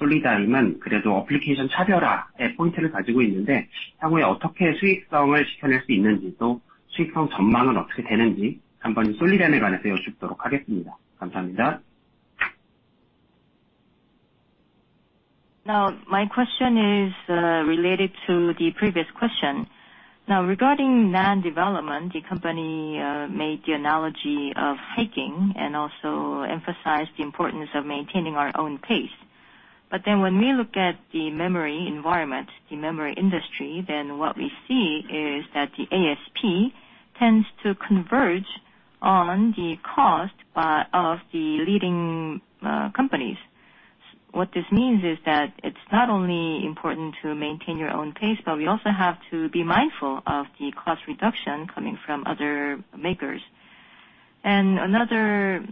question. My question is related to the previous question. Regarding NAND development, the company made the analogy of hiking and also emphasized the importance of maintaining our own pace. When we look at the memory environment, the memory industry, what we see is that the ASP tends to converge on the cost by of the leading companies. What this means is that it's not only important to maintain your own pace, but we also have to be mindful of the cost reduction coming from other makers. Another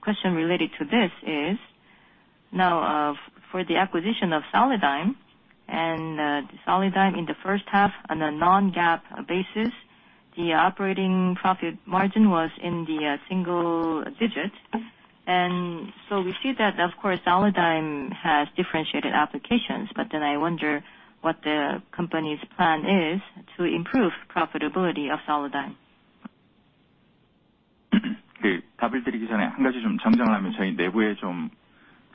question related to this is, for the acquisition of Solidigm and Solidigm in the first half on a non-GAAP basis, the operating profit margin was in the single digits.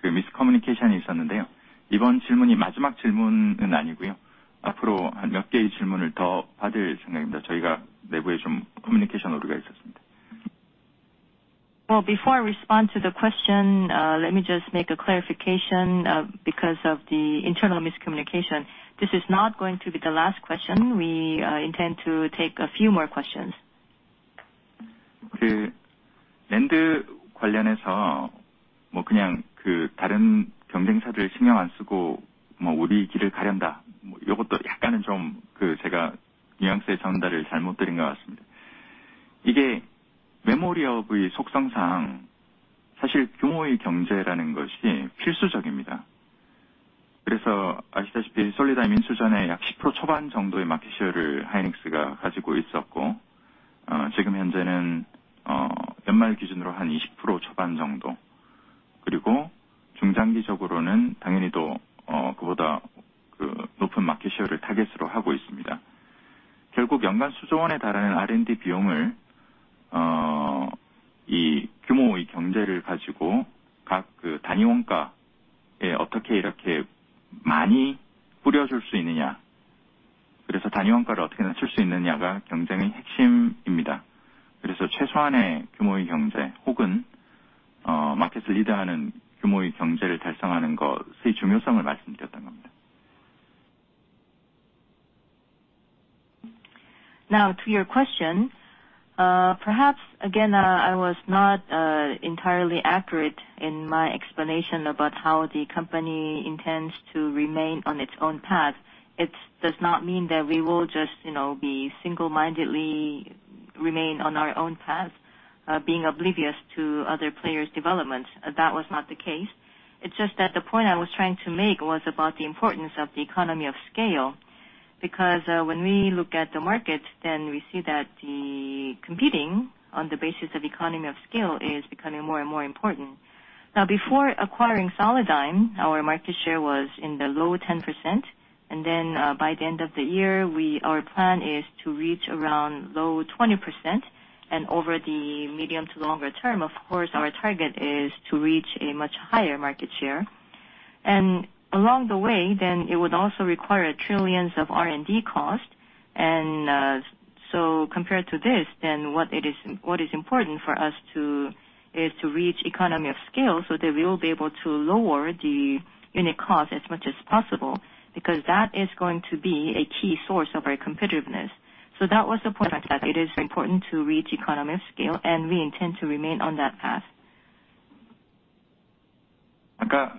We see that of course, Solidigm has differentiated applications. I wonder what the company's plan is to improve profitability of Solidigm. Well, before I respond to the question, let me just make a clarification, because of the internal miscommunication, this is not going to be the last question. We intend to take a few more questions. 최소한의 규모의 경제 혹은 마켓을 리드하는 규모의 경제를 달성하는 것의 중요성을 말씀드렸던 겁니다. Now to your question, perhaps again, I was not entirely accurate in my explanation about how the company intends to remain on its own path. It does not mean that we will just, you know, be single-mindedly remain on our own path, being oblivious to other players developments. That was not the case. It's just that the point I was trying to make was about the importance of the economy of scale, because, when we look at the market, then we see that the competing on the basis of economy of scale is becoming more and more important. Now, before acquiring Solidigm, our market share was in the low 10%. By the end of the year, we, our plan is to reach around low 20% and over the medium to longer term, of course, our target is to reach a much higher market share and along the way then it would also require trillions of R&D cost. Compared to this then what it is, what is important for us to is to reach economy of scale so that we will be able to lower the unit cost as much as possible, because that is going to be a key source of our competitiveness. That was the point that it is very important to reach economy of scale and we intend to remain on that path. 아까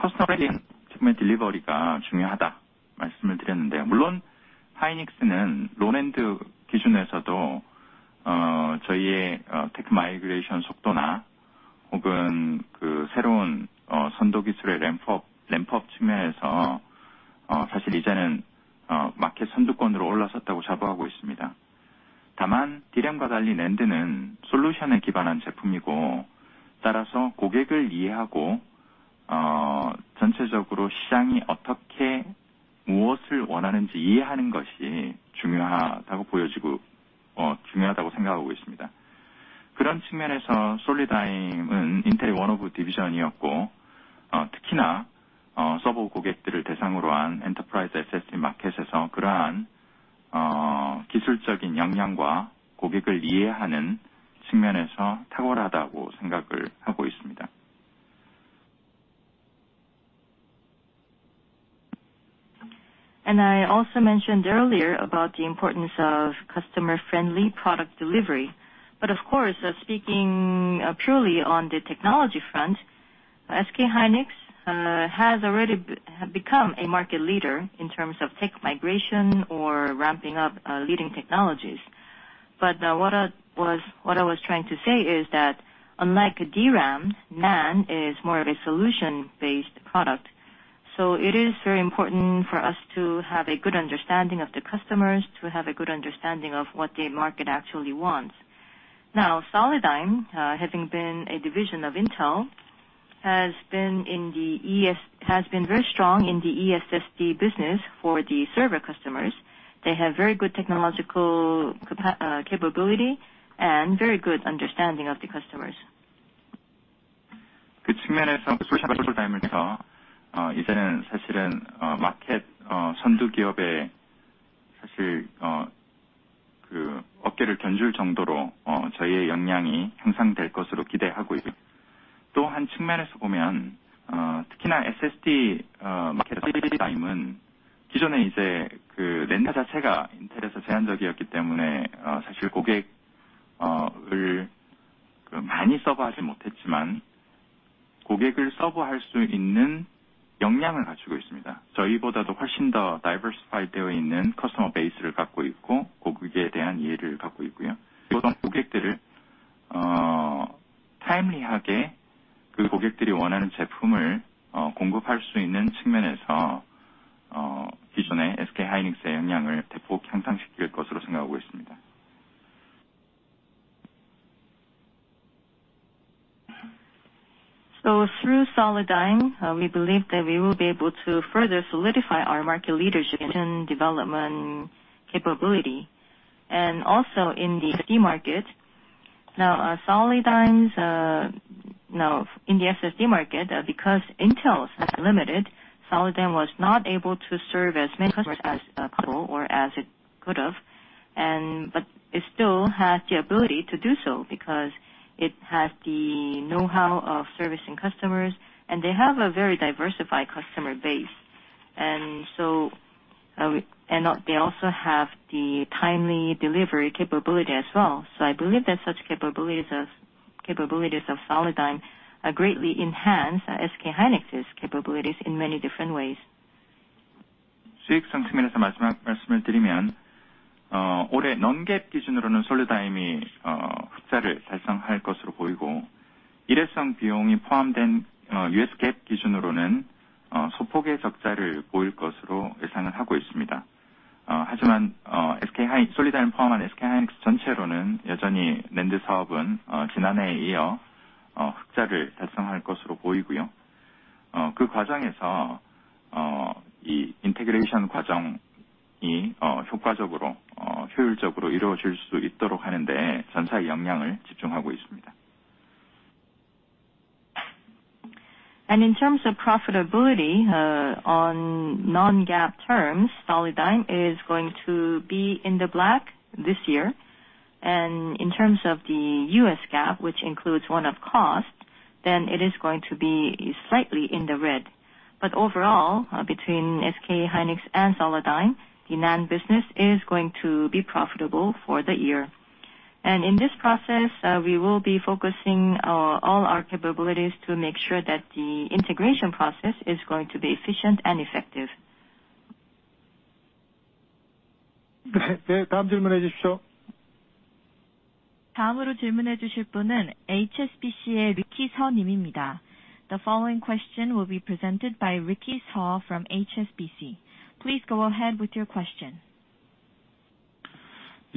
customer delivery가 중요하다 말씀을 드렸는데, 물론 Hynix는 low-end 기준에서도 저희의 tech migration 속도나 혹은 새로운 선도 기술의 ramp up 측면에서 사실 이제는 마켓 선두권으로 올라섰다고 자부하고 있습니다. 다만 DRAM과 달리 NAND는 솔루션에 기반한 제품이고, 따라서 고객을 이해하고 전체적으로 시장이 어떻게 무엇을 원하는지 이해하는 것이 중요하다고 생각하고 있습니다. 그런 측면에서 Solidigm은 Intel의 one of division이었고, 특히나 서버 고객들을 대상으로 한 enterprise SSD market에서 그러한 기술적인 역량과 고객을 이해하는 측면에서 탁월하다고 생각을 하고 있습니다. I also mentioned earlier about the importance of customer friendly product delivery. Of course speaking purely on the technology front, SK hynix has already become a market leader in terms of tech migration or ramping up leading technologies. What I was trying to say is that unlike DRAM, NAND is more of a solution based product. It is very important for us to have a good understanding of the customers, to have a good understanding of what the market actually wants. Now, Solidigm, having been a division of Intel, has been in the Enterprise SSD business for the server customers. They have very good technological capability and very good understanding of the customers. 그 측면에서 Solidigm에서, 이제는 사실은 마켓 선두기업에 사실 그 업계를 견줄 정도로 저희의 역량이 향상될 것으로 기대하고 있고, 또한 측면에서 보면, 특히나 SSD, Solidigm은 기존에 이제 그 NAND 자체가 Intel에서 제한적이었기 때문에, 사실 고객을 많이 서브 하지는 못했지만 고객을 서브 할수 있는 역량을 갖추고 있습니다. 저희보다도 훨씬 더 diversified 되어 있는 customer base를 갖고 있고 고객에 대한 이해를 갖고 있고요. 고객들을 timely하게 그 고객들이 원하는 제품을 공급할 수 있는 측면에서, 기존의 SK hynix의 역량을 대폭 향상시킬 것으로 생각하고 있습니다. Through Solidigm, we believe that we will be able to further solidify our market leadership and development capability and also in the SSD market. Now, Solidigm is now in the SSD market, because Intel is limited, Solidigm was not able to serve as many customers as possible or as it could have. But it still has the ability to do so because it has the know-how of servicing customers, and they have a very diversified customer base. They also have the timely delivery capability as well. I believe that such capabilities of Solidigm greatly enhance SK hynix's capabilities in many different ways. 수익성 측면에서 마지막 말씀을 드리면, 올해 non-GAAP 기준으로는 Solidigm이 흑자를 달성할 것으로 보이고, 일회성 비용이 포함된 U.S. GAAP 기준으로는 소폭의 적자를 보일 것으로 예상을 하고 있습니다. 하지만 SK hynix, Solidigm을 포함한 SK hynix 전체로는 여전히 NAND 사업은 지난해에 이어 흑자를 달성할 것으로 보이고요. 그 과정에서 이 integration 과정이 효과적으로, 효율적으로 이루어질 수 있도록 하는 데 전사의 역량을 집중하고 있습니다. In terms of profitability, on non-GAAP terms, Solidigm is going to be in the black this year. In terms of the U.S. GAAP, which includes one-off costs, then it is going to be slightly in the red. Overall, between SK hynix and Solidigm, the NAND business is going to be profitable for the year. In this process, we will be focusing all our capabilities to make sure that the integration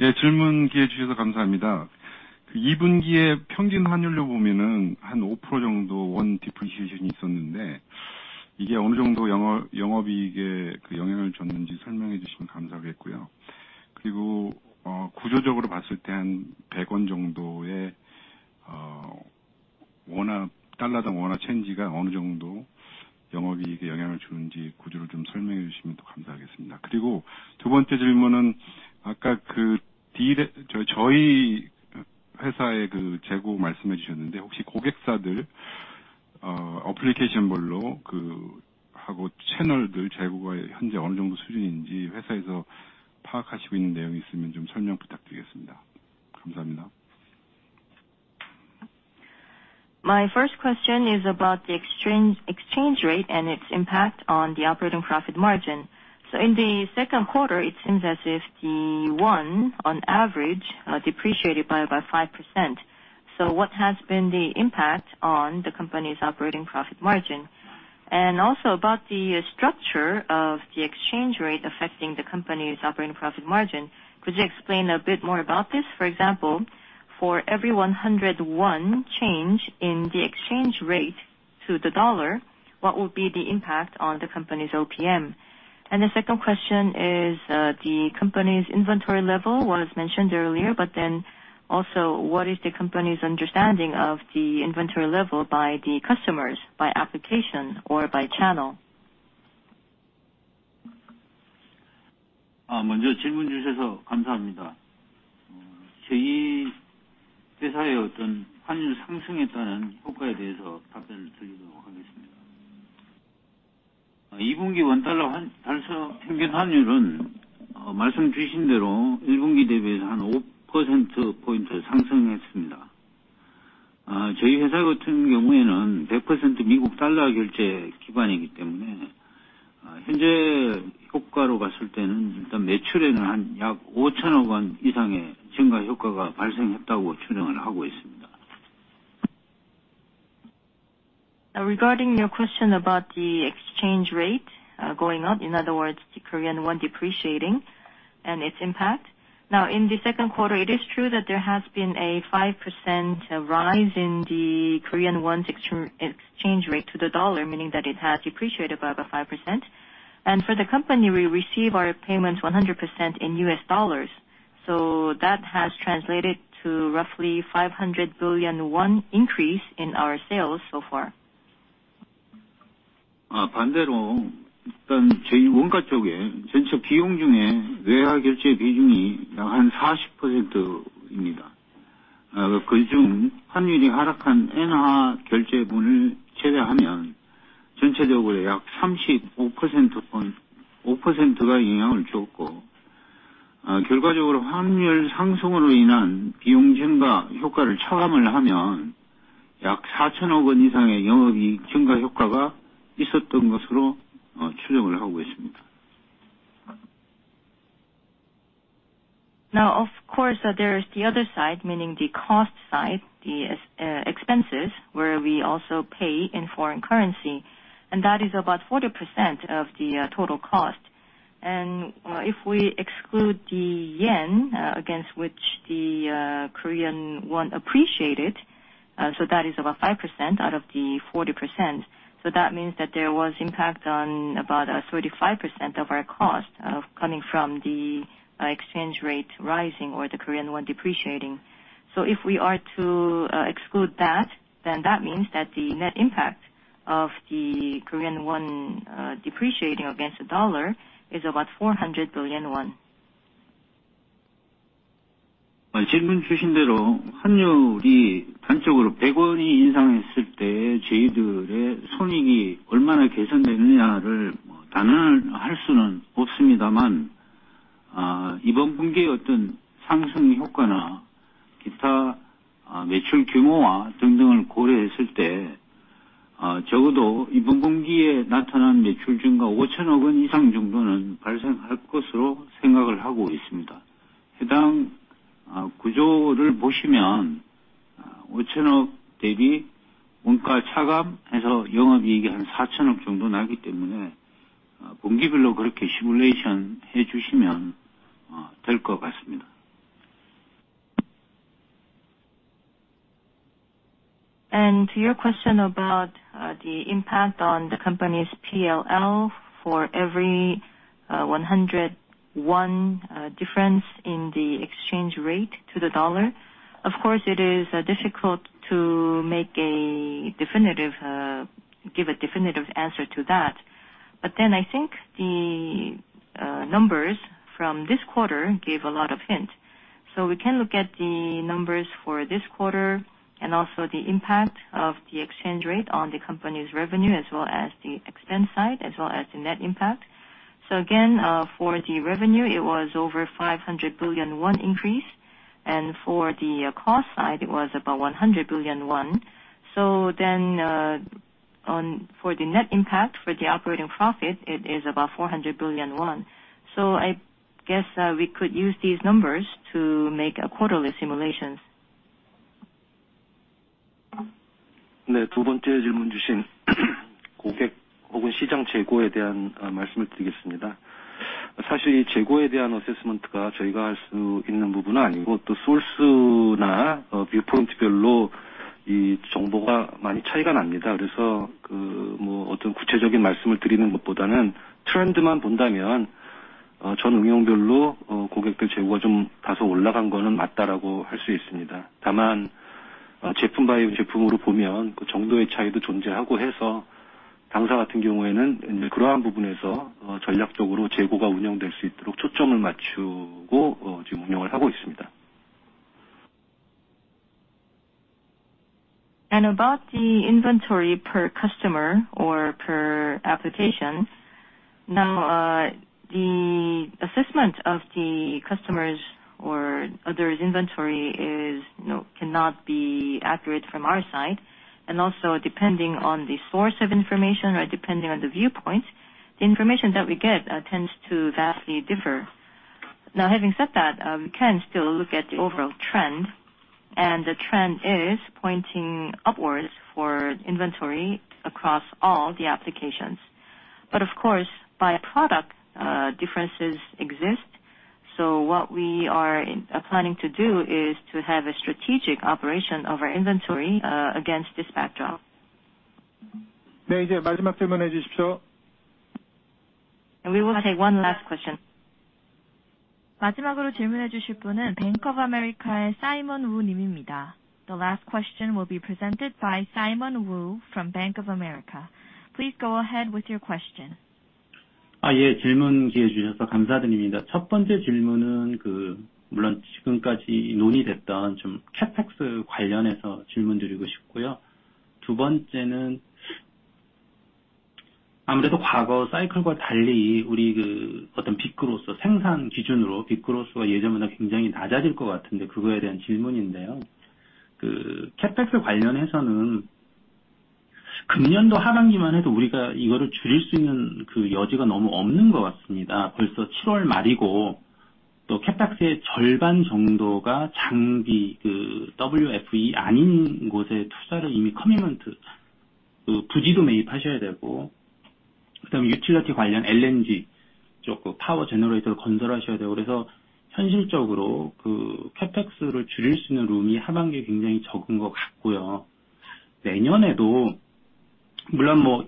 process is going to be efficient and effective. The following question will be presented by Ricky Seo from HSBC. Please go ahead with your question. My first question is about the exchange rate and its impact on the operating profit margin. In the second quarter, it seems as if the won on average depreciated by about 5%. What has been the impact on the company's operating profit margin? And also about the structure of the exchange rate affecting the company's operating profit margin. Could you explain a bit more about this? For example, for every 100 won change in the exchange rate to the dollar, what would be the impact on the company's OPM? And the second question is, the company's inventory level was mentioned earlier, but then also what is the company's understanding of the inventory level by the customers, by application or by channel? Regarding your question about the exchange rate going up, in other words, the Korean won depreciating and its impact. Now, in the second quarter, it is true that there has been a 5% rise in the Korean won's exchange rate to the dollar, meaning that it has depreciated by about 5%. For the company, we receive our payments 100% in U.S. dollars. That has translated to roughly 500 billion won increase in our sales so far. Now of course there is the other side, meaning the cost side, the expenses where we also pay in foreign currency, and that is about 40% of the total cost. If we exclude the yen, against which the Korean won appreciated, so that is about 5% out of the 40%. That means that there was impact on about 35% of our cost coming from the exchange rate rising or the Korean won depreciating. If we are to exclude that, then that means that the net impact of the Korean won depreciating against the dollar is about 400 billion won. To your question about the impact on the company's P&L for every 101 difference in the exchange rate to the dollar. Of course, it is difficult to give a definitive answer to that. I think the numbers from this quarter gave a lot of hint. We can look at the numbers for this quarter and also the impact of the exchange rate on the company's revenue as well as the expense side, as well as the net impact. For the revenue it was over 500 billion won increase and for the cost side it was about 100 billion won. For the net impact for the operating profit it is about 400 billion won. I guess, we could use these numbers to make quarterly simulations. About the inventory per customer or per application. Now, the assessment of the customers or other's inventory is, you know, cannot be accurate from our side. Also depending on the source of information or depending on the viewpoint, the information that we get, tends to vastly differ. Now having said that, we can still look at the overall trend, and the trend is pointing upwards for inventory across all the applications. Of course, by product, differences exist. What we are planning to do is to have a strategic operation of our inventory, against this backdrop. We will take one last question. The last question will be presented by Simon Woo from Bank of America. Please go ahead with your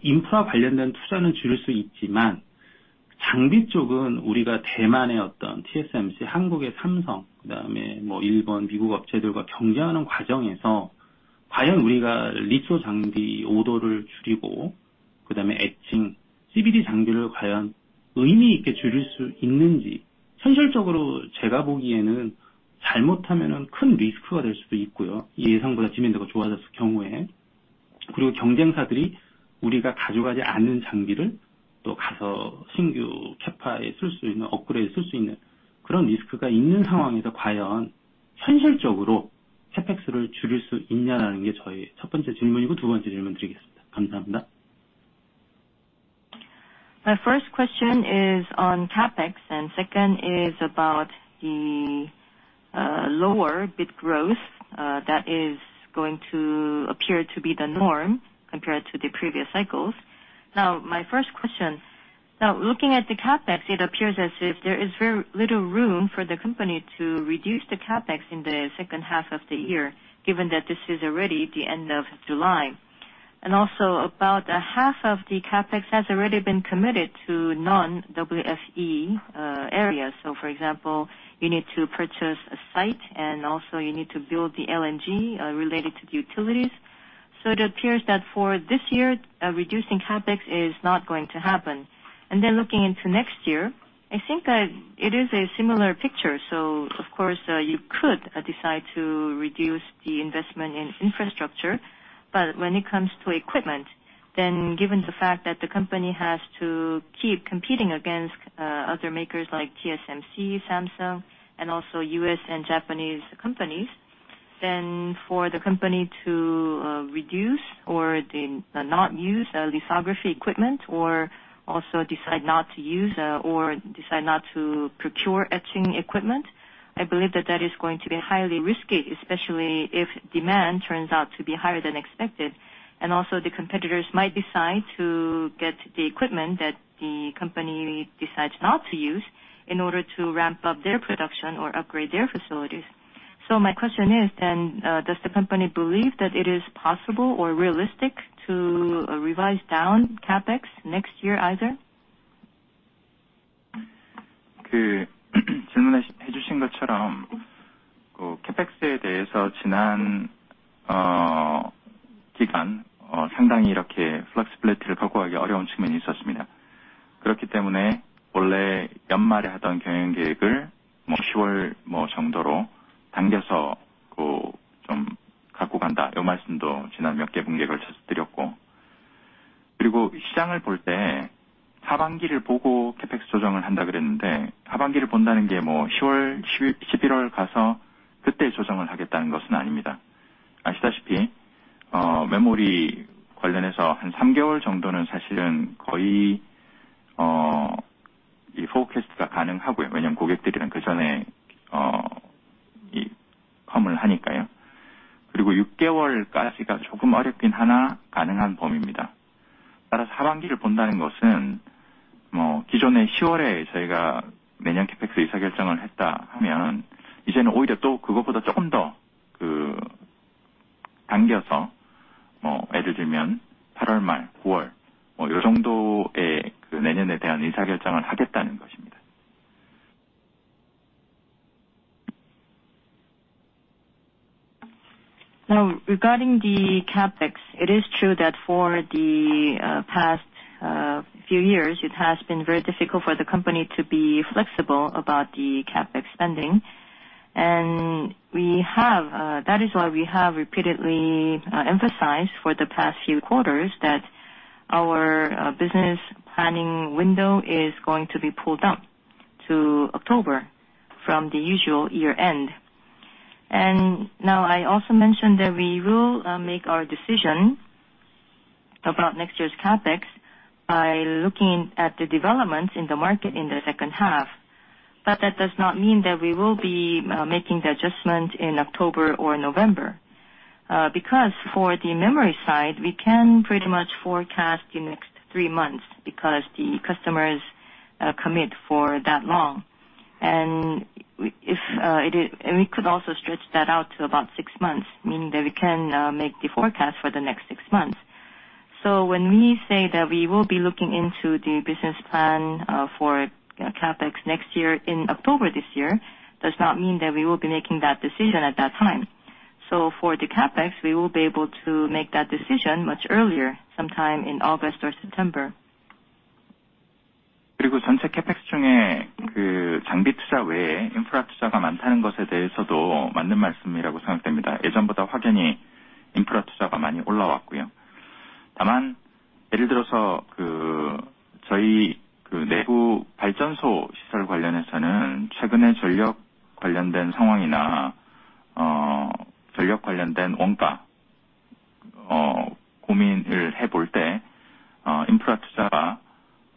question. My first question is on CapEx and second is about the lower bit growth that is going to appear to be the norm compared to the previous cycles. Looking at the CapEx, it appears as if there is very little room for the company to reduce the CapEx in the second half of the year, given that this is already the end of July. Also about a half of the CapEx has already been committed to non-WFE areas. For example, you need to purchase a site and also you need to build the LNG related to the utilities. It appears that for this year, reducing CapEx is not going to happen. Looking into next year, I think it is a similar picture. Of course, you could decide to reduce the investment in infrastructure. When it comes to equipment, given the fact that the company has to keep competing against other makers like TSMC, Samsung and also US and Japanese companies, for the company to reduce or not use lithography equipment or also decide not to procure etching equipment. I believe that is going to be highly risky, especially if demand turns out to be higher than expected. Also the competitors might decide to get the equipment that the company decides not to use in order to ramp up their production or upgrade their facilities. My question is then, does the company believe that it is possible or realistic to revise down CapEx next year either? Now regarding the CapEx, it is true that for the past few years it has been very difficult for the company to be flexible about the CapEx spending. That is why we have repeatedly emphasized for the past few quarters that our business planning window is going to be pulled up to October from the usual year-end. Now I also mentioned that we will make our decision about next year's CapEx by looking at the developments in the market in the second half. That does not mean that we will be making the adjustment in October or November. Because for the memory side, we can pretty much forecast the next three months because the customers commit for that long. We could also stretch that out to about 6 months, meaning that we can make the forecast for the next 6 months. When we say that we will be looking into the business plan for CapEx next year in October this year, it does not mean that we will be making that decision at that time. For the CapEx, we will be able to make that decision much earlier, sometime in August or September. Also, it is true that the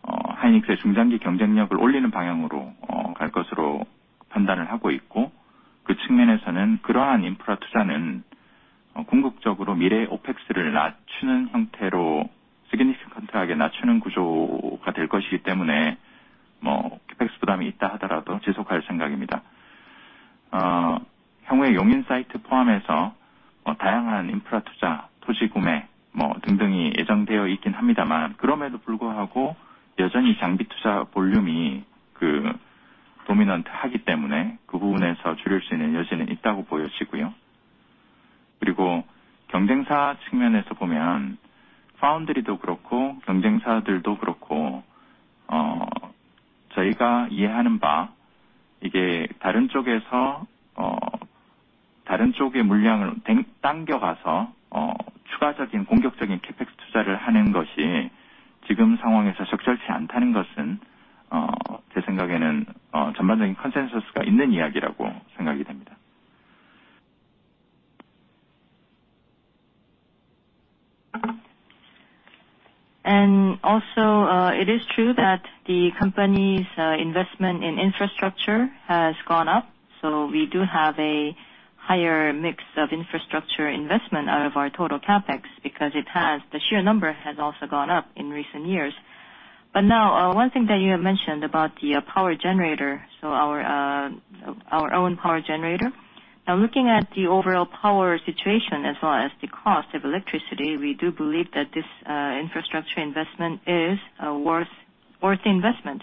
company's investment in infrastructure has gone up. We do have a higher mix of infrastructure investment out of our total CapEx because it has, the sheer number has also gone up in recent years. Now, one thing that you have mentioned about the power generator, our own power generator. Now looking at the overall power situation as well as the cost of electricity, we do believe that this infrastructure investment is worth the investment.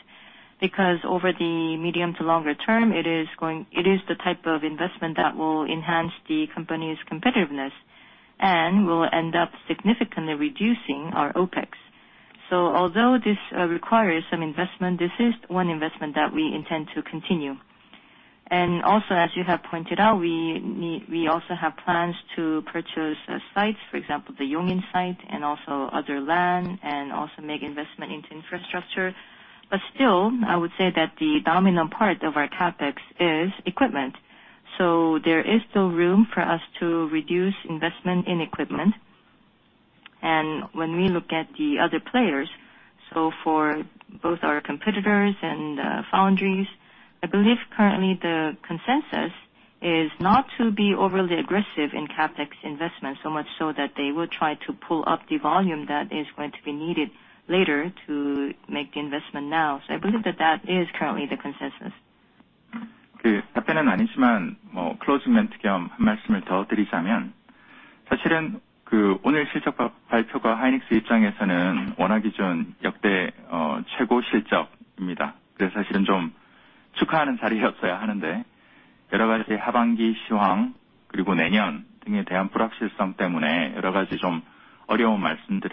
Because over the medium to longer term it is the type of investment that will enhance the company's competitiveness and will end up significantly reducing our OpEx. Although this requires some investment, this is one investment that we intend to continue. Also as you have pointed out, we also have plans to purchase sites, for example, the Yongin site and also other land and also make investment into infrastructure. Still, I would say that the dominant part of our CapEx is equipment. There is still room for us to reduce investment in equipment. When we look at the other players, so for both our competitors and foundries, I believe currently the consensus is not to be overly aggressive in CapEx investment, so much so that they will try to pull up the volume that is going to be needed later to make the investment now.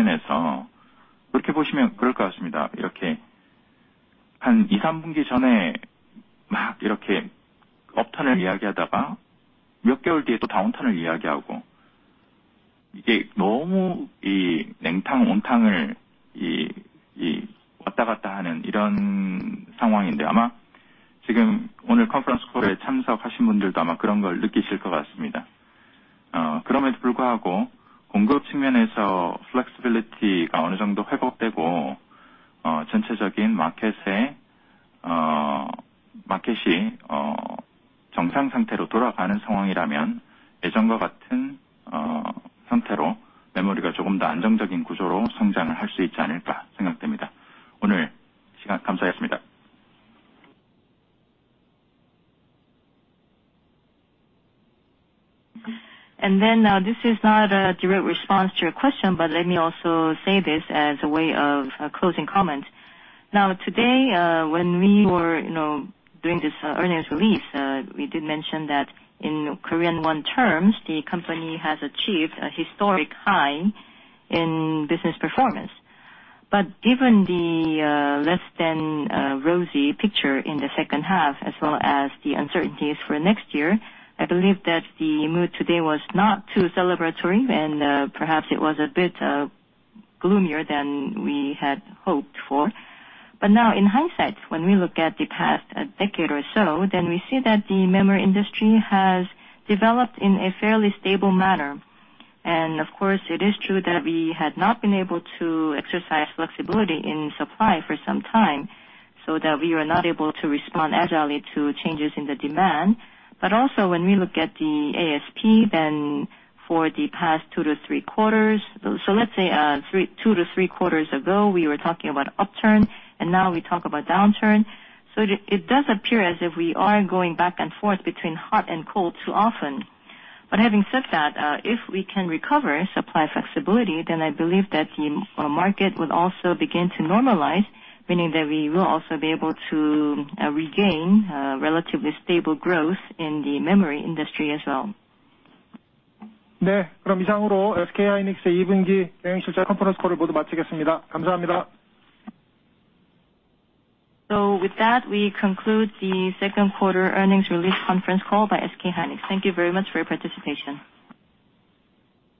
I believe that is currently the consensus. This is not a direct response to your question, but let me also say this as a way of closing comment. Now, today, when we were, you know, doing this earnings release, we did mention that in Korean won terms, the company has achieved a historic high in business performance. Given the less than rosy picture in the second half as well as the uncertainties for next year, I believe that the mood today was not too celebratory and perhaps it was a bit gloomier than we had hoped for. Now, in hindsight, when we look at the past decade or so, then we see that the memory industry has developed in a fairly stable manner. Of course, it is true that we had not been able to exercise flexibility in supply for some time, so that we are not able to respond agilely to changes in the demand. Also when we look at the ASP then for the past two to three quarters. Let's say two to three quarters ago, we were talking about upturn, and now we talk about downturn. It does appear as if we are going back and forth between hot and cold too often. Having said that, if we can recover supply flexibility, then I believe that the market will also begin to normalize, meaning that we will also be able to regain relatively stable growth in the memory industry as well. With that, we conclude the second quarter earnings release conference call by SK hynix. Thank you very much for your participation.